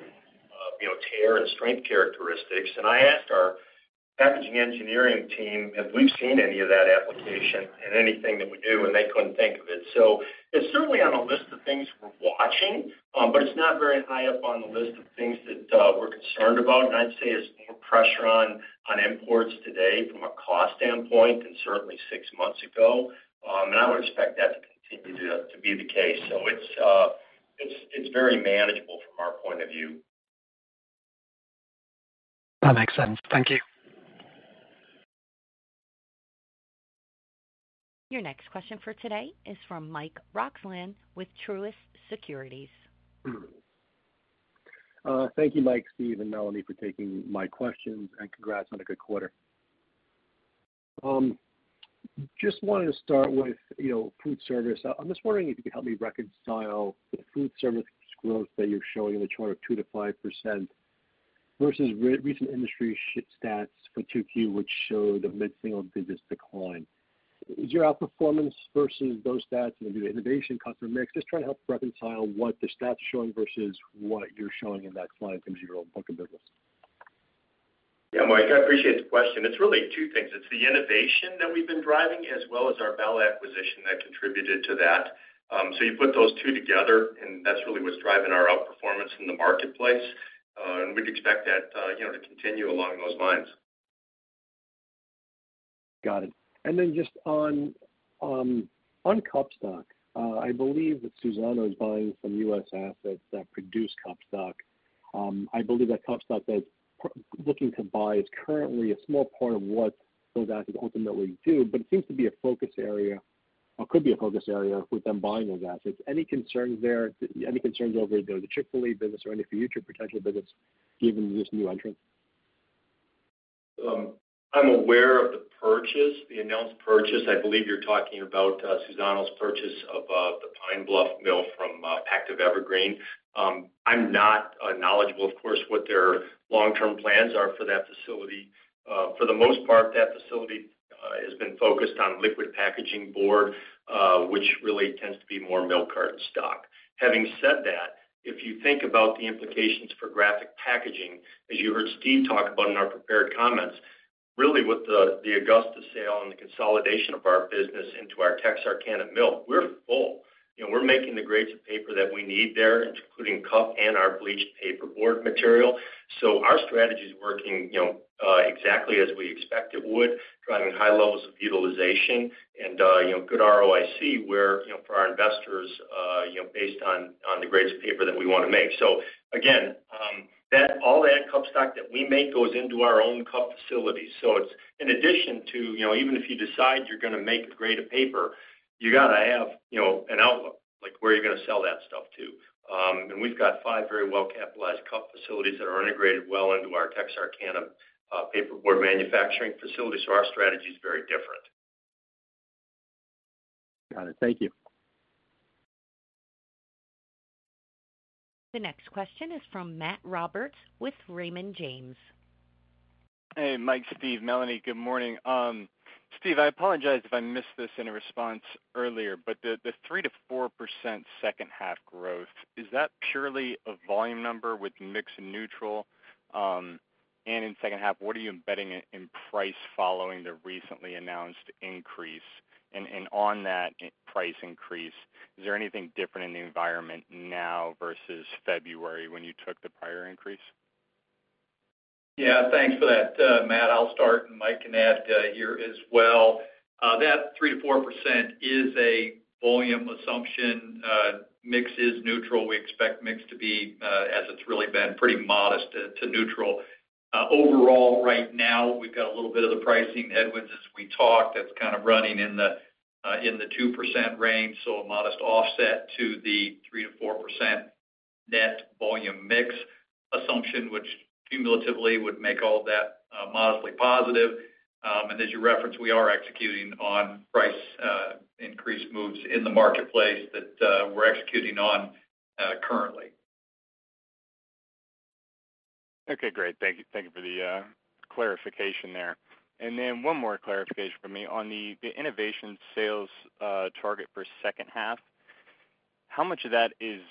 Speaker 3: tear and strength characteristics. And I asked our packaging engineering team if we've seen any of that application and anything that we do, and they couldn't think of it. So it's certainly on a list of things we're watching, but it's not very high up on the list of things that we're concerned about. And I'd say it's more pressure on imports today from a cost standpoint than certainly six months ago. And I would expect that to continue to be the case. So it's very manageable from our point of view.
Speaker 8: That makes sense. Thank you.
Speaker 1: Your next question for today is from Mike Roxland with Truist Securities.
Speaker 9: Thank you, Mike, Steve, and Melanie for taking my questions, and congrats on a good quarter. Just wanted to start with food service. I'm just wondering if you could help me reconcile the food service growth that you're showing in the chart of 2%-5% versus recent industry stats for 2Q, which showed a mid-single digit decline. Is your outperformance versus those stats going to be the innovation customer mix? Just trying to help reconcile what the stats are showing versus what you're showing in that slide in terms of your own book of business.
Speaker 3: Yeah, Mike, I appreciate the question. It's really two things. It's the innovation that we've been driving as well as our Bell acquisition that contributed to that. So you put those two together, and that's really what's driving our outperformance in the marketplace. And we'd expect that to continue along those lines.
Speaker 9: Got it. Then just on Cupstock, I believe that Suzano is buying some U.S. assets that produce Cupstock. I believe that Cupstock that's looking to buy is currently a small part of what those assets ultimately do. But it seems to be a focus area or could be a focus area with them buying those assets. Any concerns there? Any concerns over the Chick-fil-A business or any future potential business given this new entrant?
Speaker 3: I'm aware of the purchase, the announced purchase. I believe you're talking about Suzano's purchase of the Pine Bluff mill from Pactiv Evergreen. I'm not knowledgeable, of course, what their long-term plans are for that facility. For the most part, that facility has been focused on liquid packaging board, which really tends to be more milk carton stock. Having said that, if you think about the implications for Graphic Packaging, as you heard Steve talk about in our prepared comments, really with the Augusta sale and the consolidation of our business into our Texarkana mill, we're full. We're making the grades of paper that we need there, including Cupstock and our bleached paperboard material. So our strategy is working exactly as we expect it would, driving high levels of utilization and good ROIC for our investors based on the grades of paper that we want to make. So again, all that Cupstock that we make goes into our own cup facilities. So in addition to even if you decide you're going to make a grade of paper, you got to have an outlook like where you're going to sell that stuff to. We've got five very well-capitalized cup facilities that are integrated well into our Texarkana paperboard manufacturing facility. Our strategy is very different.
Speaker 9: Got it. Thank you.
Speaker 1: The next question is from Matt Roberts with Raymond James.
Speaker 10: Hey, Mike, Steve, Melanie, good morning. Steve, I apologize if I missed this in a response earlier, but the 3%-4% second-half growth, is that purely a volume number with mix neutral? And in second half, what are you embedding in price following the recently announced increase? And on that price increase, is there anything different in the environment now versus February when you took the prior increase?
Speaker 4: Yeah. Thanks for that, Matt. I'll start, and Mike can add here as well. That 3%-4% is a volume assumption. Mix is neutral. We expect mix to be, as it's really been, pretty modest to neutral. Overall, right now, we've got a little bit of the pricing headwinds as we talked that's kind of running in the 2% range. So a modest offset to the 3%-4% net volume mix assumption, which cumulatively would make all of that modestly positive. And as you referenced, we are executing on price increase moves in the marketplace that we're executing on currently.
Speaker 10: Okay. Great. Thank you for the clarification there. And then one more clarification from me on the innovation sales target for second half. How much of that is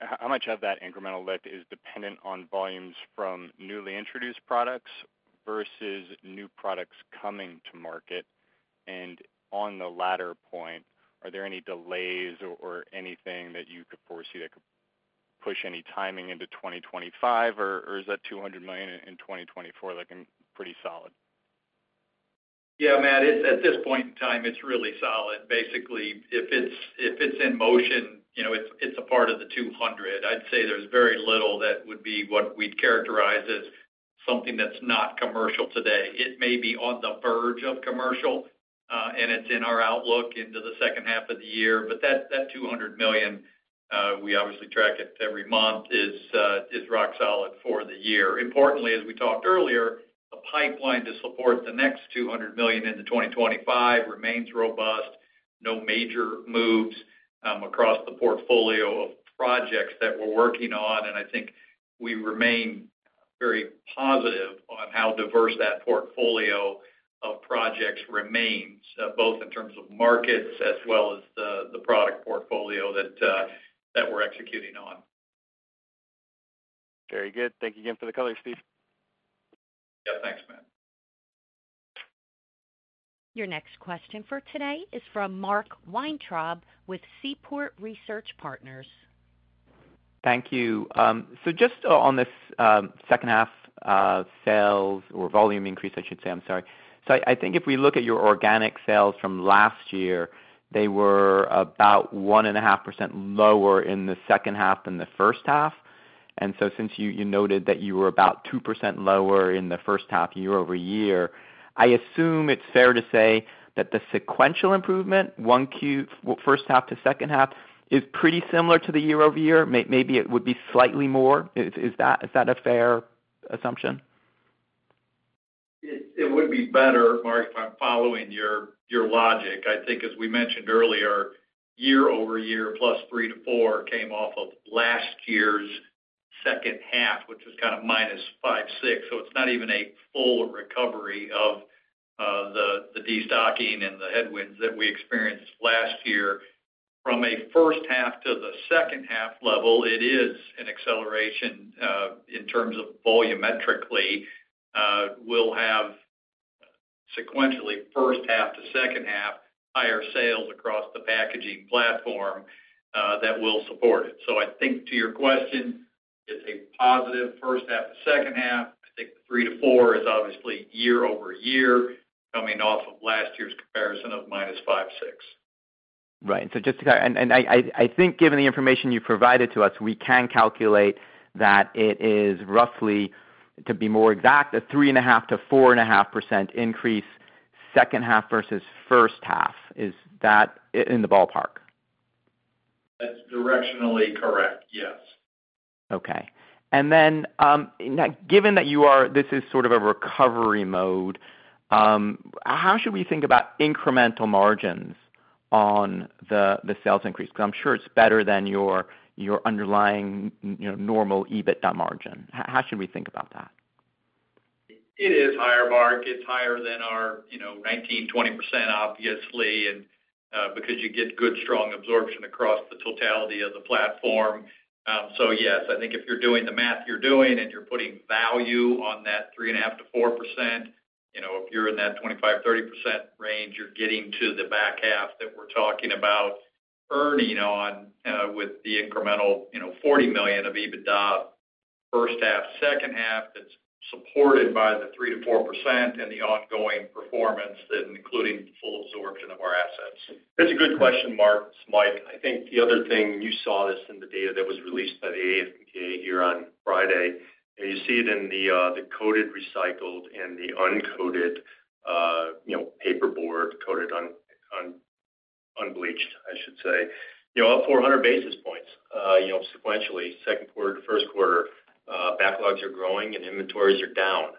Speaker 10: how much of that incremental lift is dependent on volumes from newly introduced products versus new products coming to market? And on the latter point, are there any delays or anything that you could foresee that could push any timing into 2025, or is that $200 million in 2024 looking pretty solid?
Speaker 4: Yeah, Matt. At this point in time, it's really solid. Basically, if it's in motion, it's a part of the $200. I'd say there's very little that would be what we'd characterize as something that's not commercial today. It may be on the verge of commercial, and it's in our outlook into the second half of the year. But that $200 million, we obviously track it every month, is rock solid for the year. Importantly, as we talked earlier, the pipeline to support the next $200 million into 2025 remains robust. No major moves across the portfolio of projects that we're working on. And I think we remain very positive on how diverse that portfolio of projects remains, both in terms of markets as well as the product portfolio that we're executing on.
Speaker 10: Very good. Thank you again for the color, Steve.
Speaker 4: Yeah. Thanks, Matt.
Speaker 1: Your next question for today is from Mark Weintraub with Seaport Research Partners.
Speaker 11: Thank you. So just on this second half sales or volume increase, I should say, I'm sorry. So I think if we look at your organic sales from last year, they were about 1.5% lower in the second half than the first half. And so since you noted that you were about 2% lower in the first half year-over-year, I assume it's fair to say that the sequential improvement, one Q first half to second half, is pretty similar to the year-over-year. Maybe it would be slightly more. Is that a fair assumption?
Speaker 4: It would be better, Mark, if I'm following your logic. I think, as we mentioned earlier, year-over-year +3%-4% came off of last year's second half, which was kind of -5 to -6. So it's not even a full recovery of the destocking and the headwinds that we experienced last year. From a first half to the second half level, it is an acceleration in terms of volumetrically. We'll have sequentially first half to second half higher sales across the packaging platform that will support it. So I think to your question, it's a positive first half to second half. I think the 3-4 is obviously year-over-year coming off of last year's comparison of -5 to -6.
Speaker 11: Right. And so just to clarify, and I think given the information you provided to us, we can calculate that it is roughly, to be more exact, a 3.5%-4.5% increase second half versus first half. Is that in the ballpark?
Speaker 4: That's directionally correct. Yes.
Speaker 11: Okay. And then given that this is sort of a recovery mode, how should we think about incremental margins on the sales increase? Because I'm sure it's better than your underlying normal EBITDA margin. How should we think about that?
Speaker 4: It is higher, Mark. It's higher than our 19%-20%, obviously, because you get good strong absorption across the totality of the platform. So yes, I think if you're doing the math you're doing and you're putting value on that 3.5%-4%, if you're in that 25%-30% range, you're getting to the back half that we're talking about earning on with the incremental $40 million of EBITDA first half, second half that's supported by the 3%-4% and the ongoing performance that including full absorption of our assets.
Speaker 3: That's a good question, Mark, Mike. I think the other thing, and you saw this in the data that was released by the AF&PA here on Friday, and you see it in the coated recycled and the uncoated paperboard coated unbleached, I should say, up 400 basis points sequentially second quarter, first quarter. Backlogs are growing and inventories are down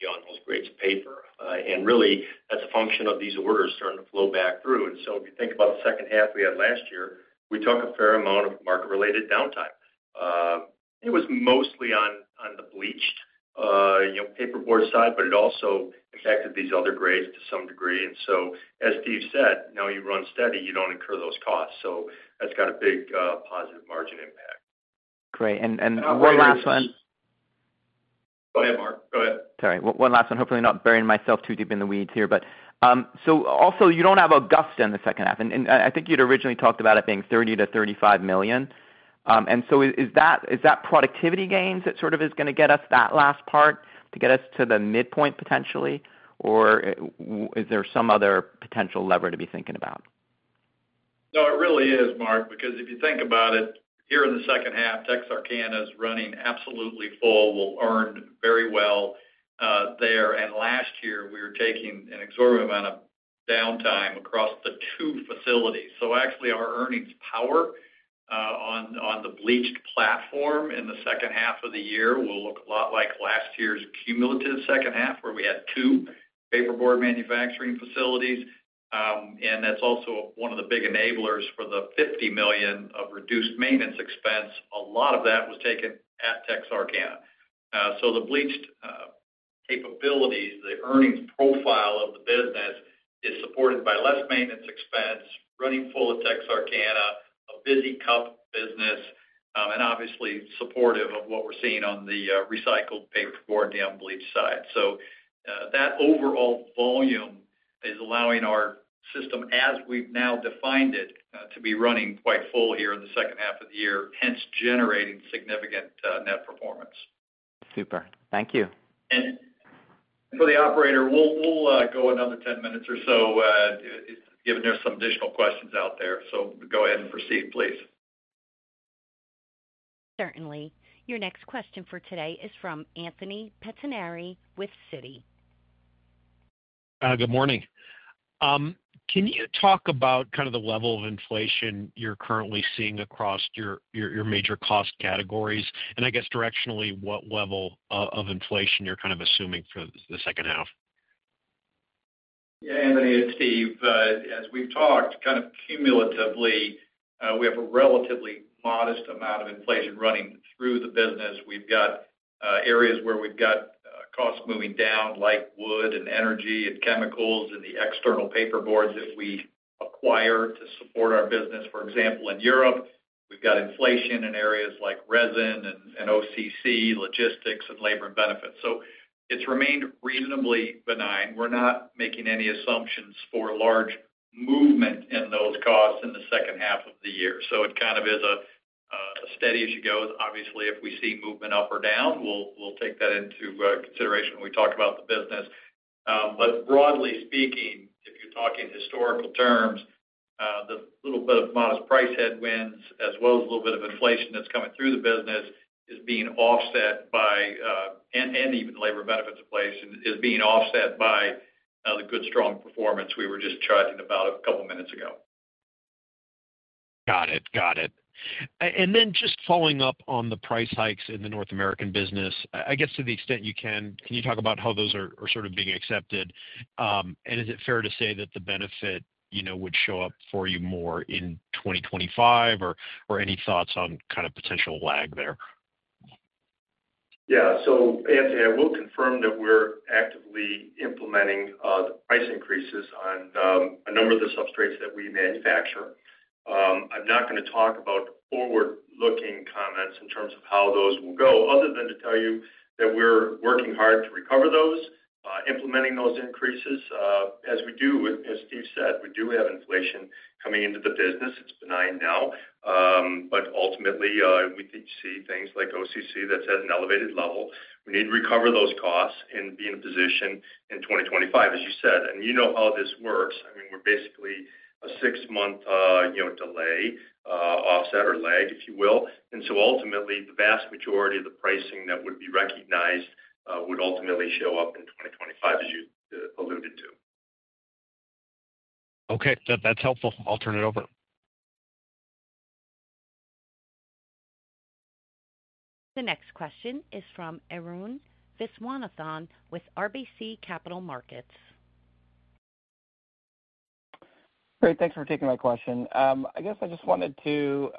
Speaker 3: beyond those grades of paper. And really, that's a function of these orders starting to flow back through. And so if you think about the second half we had last year, we took a fair amount of market-related downtime. It was mostly on the bleached paperboard side, but it also affected these other grades to some degree. And so as Steve said, now you run steady, you don't incur those costs. So that's got a big positive margin impact.
Speaker 11: Great. And one last one.
Speaker 3: Go ahead, Mark. Go ahead.
Speaker 11: Sorry. One last one. Hopefully, not burying myself too deep in the weeds here. You don't have an Augusta in the second half. I think you'd originally talked about it being $30 million-$35 million. So is that productivity gains that sort of is going to get us that last part to get us to the midpoint potentially, or is there some other potential lever to be thinking about?
Speaker 4: No, it really is, Mark, because if you think about it, here in the second half, Texarkana is running absolutely full. We'll earn very well there. Last year, we were taking an exorbitant amount of downtime across the two facilities. So actually, our earnings power on the bleached platform in the second half of the year will look a lot like last year's cumulative second half where we had two paperboard manufacturing facilities. And that's also one of the big enablers for the $50 million of reduced maintenance expense. A lot of that was taken at Texarkana. So the bleached capabilities, the earnings profile of the business is supported by less maintenance expense, running full at Texarkana, a busy cup business, and obviously supportive of what we're seeing on the recycled paperboard and bleached side. So that overall volume is allowing our system, as we've now defined it, to be running quite full here in the second half of the year, hence generating significant net performance.
Speaker 11: Super. Thank you.
Speaker 3: And for the operator, we'll go another 10 minutes or so given there's some additional questions out there. So go ahead and proceed, please.
Speaker 1: Certainly. Your next question for today is from Anthony Pettinari with Citi. Good morning.
Speaker 12: Can you talk about kind of the level of inflation you're currently seeing across your major cost categories? And I guess directionally, what level of inflation you're kind of assuming for the second half?
Speaker 4: Yeah, Anthony and Steve, as we've talked, kind of cumulatively, we have a relatively modest amount of inflation running through the business. We've got areas where we've got costs moving down like wood and energy and chemicals and the external paperboards that we acquire to support our business. For example, in Europe, we've got inflation in areas like resin and OCC, logistics, and labor and benefits. So it's remained reasonably benign. We're not making any assumptions for large movement in those costs in the second half of the year. So it kind of is as steady as you go. Obviously, if we see movement up or down, we'll take that into consideration when we talk about the business. But broadly speaking, if you're talking historical terms, the little bit of modest price headwinds as well as a little bit of inflation that's coming through the business is being offset by, and even labor benefits in place, is being offset by the good strong performance we were just chatting about a couple of minutes ago.
Speaker 12: Got it. Got it. And then just following up on the price hikes in the North American business, I guess to the extent you can, can you talk about how those are sort of being accepted? And is it fair to say that the benefit would show up for you more in 2025, or any thoughts on kind of potential lag there?
Speaker 3: Yeah. So Anthony, I will confirm that we're actively implementing price increases on a number of the substrates that we manufacture. I'm not going to talk about forward-looking comments in terms of how those will go, other than to tell you that we're working hard to recover those, implementing those increases. As we do, as Steve said, we do have inflation coming into the business. It's benign now. But ultimately, we see things like OCC that's at an elevated level. We need to recover those costs and be in a position in 2025, as you said. And you know how this works. I mean, we're basically a six-month delay offset or lag, if you will. And so ultimately, the vast majority of the pricing that would be recognized would ultimately show up in 2025, as you alluded to.
Speaker 12: Okay. That's helpful. I'll turn it over.
Speaker 1: The next question is from Arun Viswanathan with RBC Capital Markets.
Speaker 13: Great. Thanks for taking my question. I guess I just wanted to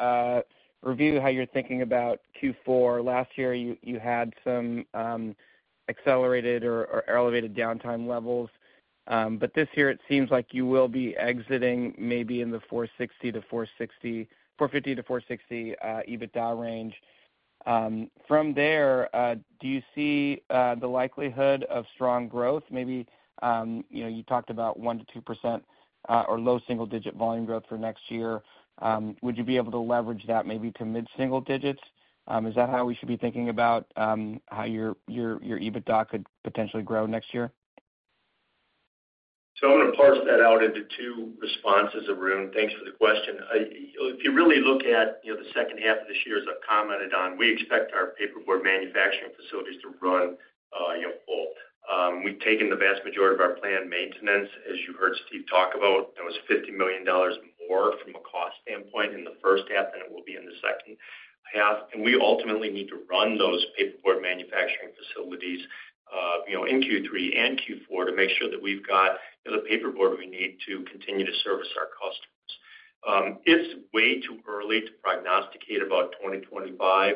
Speaker 13: review how you're thinking about Q4. Last year, you had some accelerated or elevated downtime levels. But this year, it seems like you will be exiting maybe in the $450-$460 EBITDA range. From there, do you see the likelihood of strong growth? Maybe you talked about 1%-2% or low single-digit volume growth for next year. Would you be able to leverage that maybe to mid-single digits? Is that how we should be thinking about how your EBITDA could potentially grow next year?
Speaker 3: So I'm going to parse that out into two responses, Arun. Thanks for the question. If you really look at the second half of this year, as I've commented on, we expect our paperboard manufacturing facilities to run full. We've taken the vast majority of our planned maintenance. As you heard Steve talk about, that was $50 million more from a cost standpoint in the first half than it will be in the second half. And we ultimately need to run those paperboard manufacturing facilities in Q3 and Q4 to make sure that we've got the paperboard we need to continue to service our customers. It's way too early to prognosticate about 2025.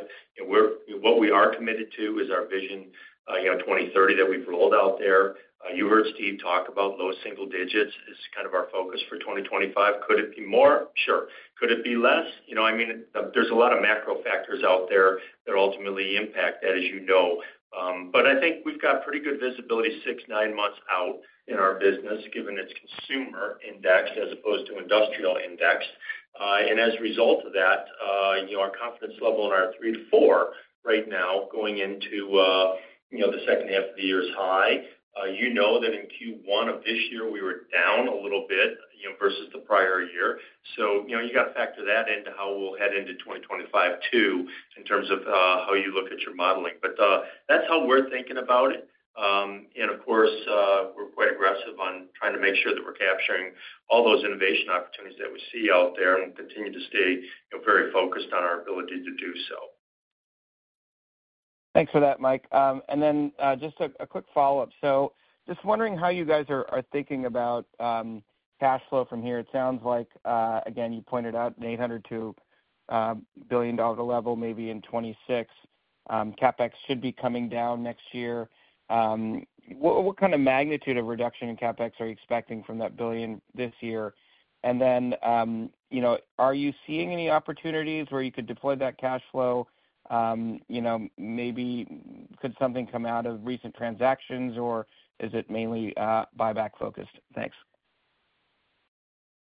Speaker 3: What we are committed to is our Vision 2030 that we've rolled out there. You heard Steve talk about low single digits as kind of our focus for 2025. Could it be more? Sure. Could it be less? I mean, there's a lot of macro factors out there that ultimately impact that, as you know. But I think we've got pretty good visibility 6-9 months out in our business, given it's consumer indexed as opposed to industrial indexed. And as a result of that, our confidence level in our 3-4 right now going into the second half of the year is high. You know that in Q1 of this year, we were down a little bit versus the prior year. So you got to factor that into how we'll head into 2025 too in terms of how you look at your modeling. But that's how we're thinking about it. And of course, we're quite aggressive on trying to make sure that we're capturing all those innovation opportunities that we see out there and continue to stay very focused on our ability to do so.
Speaker 13: Thanks for that, Mike. And then just a quick follow-up. So just wondering how you guys are thinking about cash flow from here. It sounds like, again, you pointed out an $8.02 billion level maybe in 2026. CapEx should be coming down next year. What kind of magnitude of reduction in CapEx are you expecting from that billion this year? And then are you seeing any opportunities where you could deploy that cash flow? Maybe could something come out of recent transactions, or is it mainly buyback-focused? Thanks.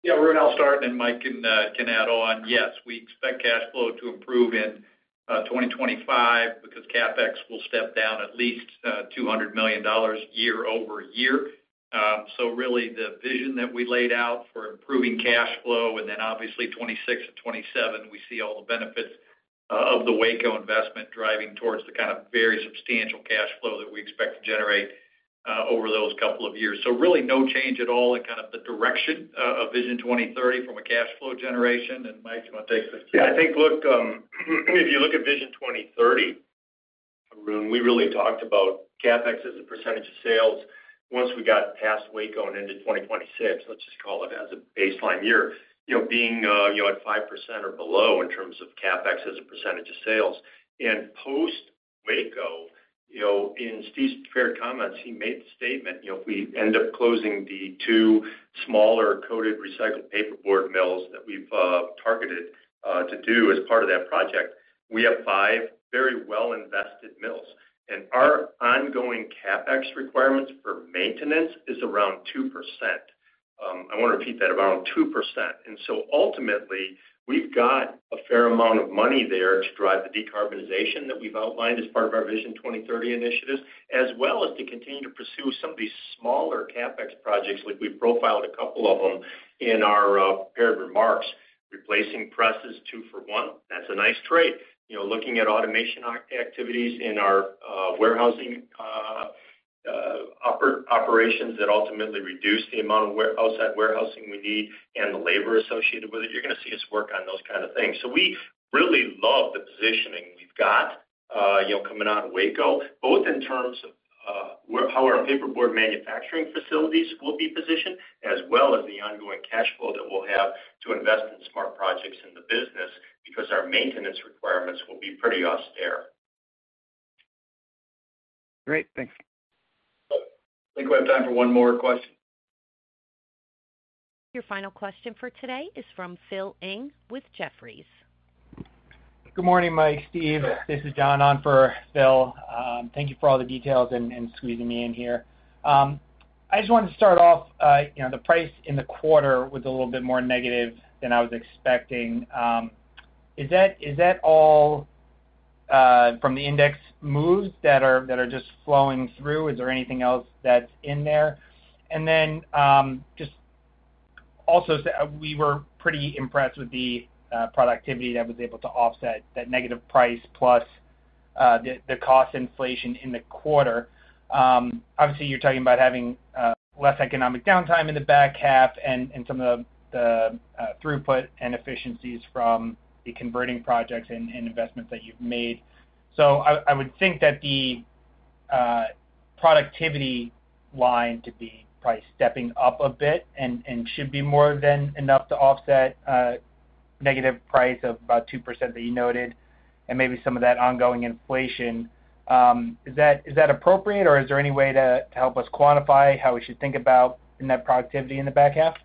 Speaker 4: Yeah, Arun, I'll start, and Mike can add on. Yes, we expect cash flow to improve in 2025 because CapEx will step down at least $200 million year-over-year. So really, the vision that we laid out for improving cash flow, and then obviously 2026 and 2027, we see all the benefits of the Waco investment driving towards the kind of very substantial cash flow that we expect to generate over those couple of years. So really, no change at all in kind of the direction of Vision 2030 from a cash flow generation. And Mike, do you want to take this?
Speaker 3: Yeah, I think, look, if you look at Vision 2030, Arun, we really talked about CapEx as a percentage of sales once we got past Waco and into 2026, let's just call it as a baseline year, being at 5% or below in terms of CapEx as a percentage of sales. Post Waco, in Steve's prepared comments, he made the statement, "If we end up closing the two smaller coated recycled paperboard mills that we've targeted to do as part of that project, we have 5 very well-invested mills." Our ongoing CapEx requirements for maintenance is around 2%. I want to repeat that, around 2%. So ultimately, we've got a fair amount of money there to drive the decarbonization that we've outlined as part of our Vision 2030 initiatives, as well as to continue to pursue some of these smaller CapEx projects. We've profiled a couple of them in our prepared remarks. Replacing presses two for one, that's a nice trade. Looking at automation activities in our warehousing operations that ultimately reduce the amount of outside warehousing we need and the labor associated with it, you're going to see us work on those kinds of things. So we really love the positioning we've got coming out of Waco, both in terms of how our paperboard manufacturing facilities will be positioned, as well as the ongoing cash flow that we'll have to invest in smart projects in the business because our maintenance requirements will be pretty austere.
Speaker 13: Great. Thanks.
Speaker 1: I think we have time for one more question. Your final question for today is from Phil Ng with Jefferies. Good morning, Mike, Steve. This is John on for Phil. Thank you for all the details and squeezing me in here. I just wanted to start off. The price in the quarter was a little bit more negative than I was expecting. Is that all from the index moves that are just flowing through? Is there anything else that's in there? And then just also, we were pretty impressed with the productivity that was able to offset that negative price plus the cost inflation in the quarter. Obviously, you're talking about having less economic downtime in the back half and some of the throughput and efficiencies from the converting projects and investments that you've made. So I would think that the productivity line to be price stepping up a bit and should be more than enough to offset negative price of about 2% that you noted and maybe some of that ongoing inflation. Is that appropriate, or is there any way to help us quantify how we should think about that productivity in the back half?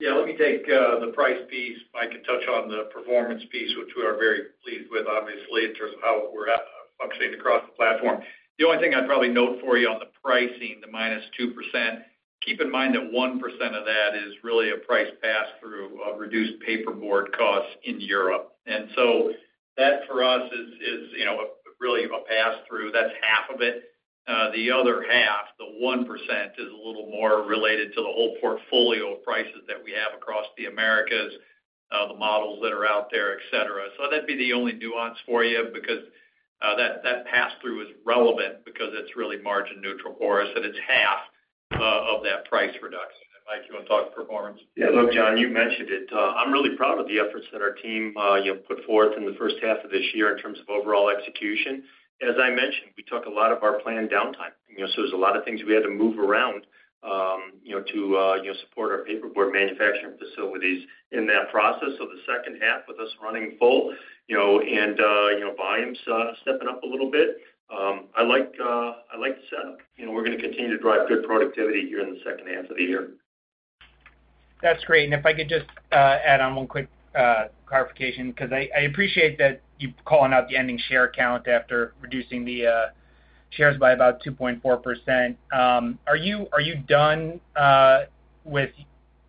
Speaker 4: Yeah, let me take the price piece. Mike can touch on the performance piece, which we are very pleased with, obviously, in terms of how we're functioning across the platform. The only thing I'd probably note for you on the pricing, the -2%, keep in mind that 1% of that is really a price pass-through of reduced paperboard costs in Europe. And so that, for us, is really a pass-through. That's half of it. The other half, the 1%, is a little more related to the whole portfolio of prices that we have across the Americas, the models that are out there, etc. So that'd be the only nuance for you because that pass-through is relevant because it's really margin-neutral for us, and it's half of that price reduction. Mike, you want to talk performance?
Speaker 3: Yeah. Look, John, you mentioned it. I'm really proud of the efforts that our team put forth in the first half of this year in terms of overall execution. As I mentioned, we took a lot of our planned downtime. So there's a lot of things we had to move around to support our paperboard manufacturing facilities in that process. So the second half with us running full and volumes stepping up a little bit, I like the setup. We're going to continue to drive good productivity here in the second half of the year.
Speaker 14: That's great. And if I could just add on one quick clarification because I appreciate that you're calling out the ending share count after reducing the shares by about 2.4%. Are you done with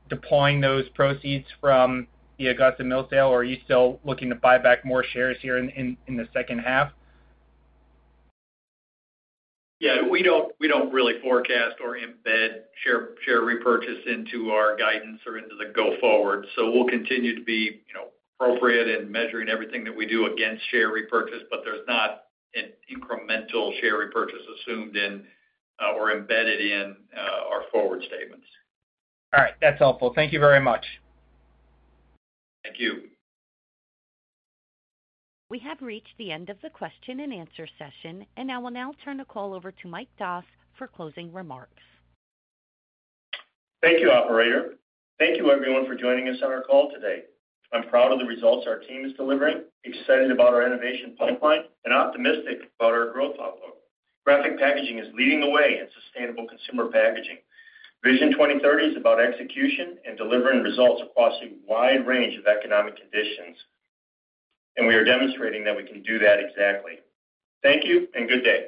Speaker 14: deploying those proceeds from the Augusta mill sale, or are you still looking to buy back more shares here in the second half?
Speaker 4: Yeah. We don't really forecast or embed share repurchase into our guidance or into the go-forward. So we'll continue to be appropriate in measuring everything that we do against share repurchase, but there's not an incremental share repurchase assumed in or embedded in our forward statements. All right. That's helpful. Thank you very much. Thank you. We have reached the end of the question-and-answer session, and I will now turn the call over to Mike Doss for closing remarks. Thank you, Operator. Thank you, everyone, for joining us on our call today. I'm proud of the results our team is delivering, excited about our innovation pipeline, and optimistic about our growth outlook. Graphic Packaging is leading the way in sustainable consumer packaging. Vision 2030 is about execution and delivering results across a wide range of economic conditions. And we are demonstrating that we can do that exactly. Thank you, and good day.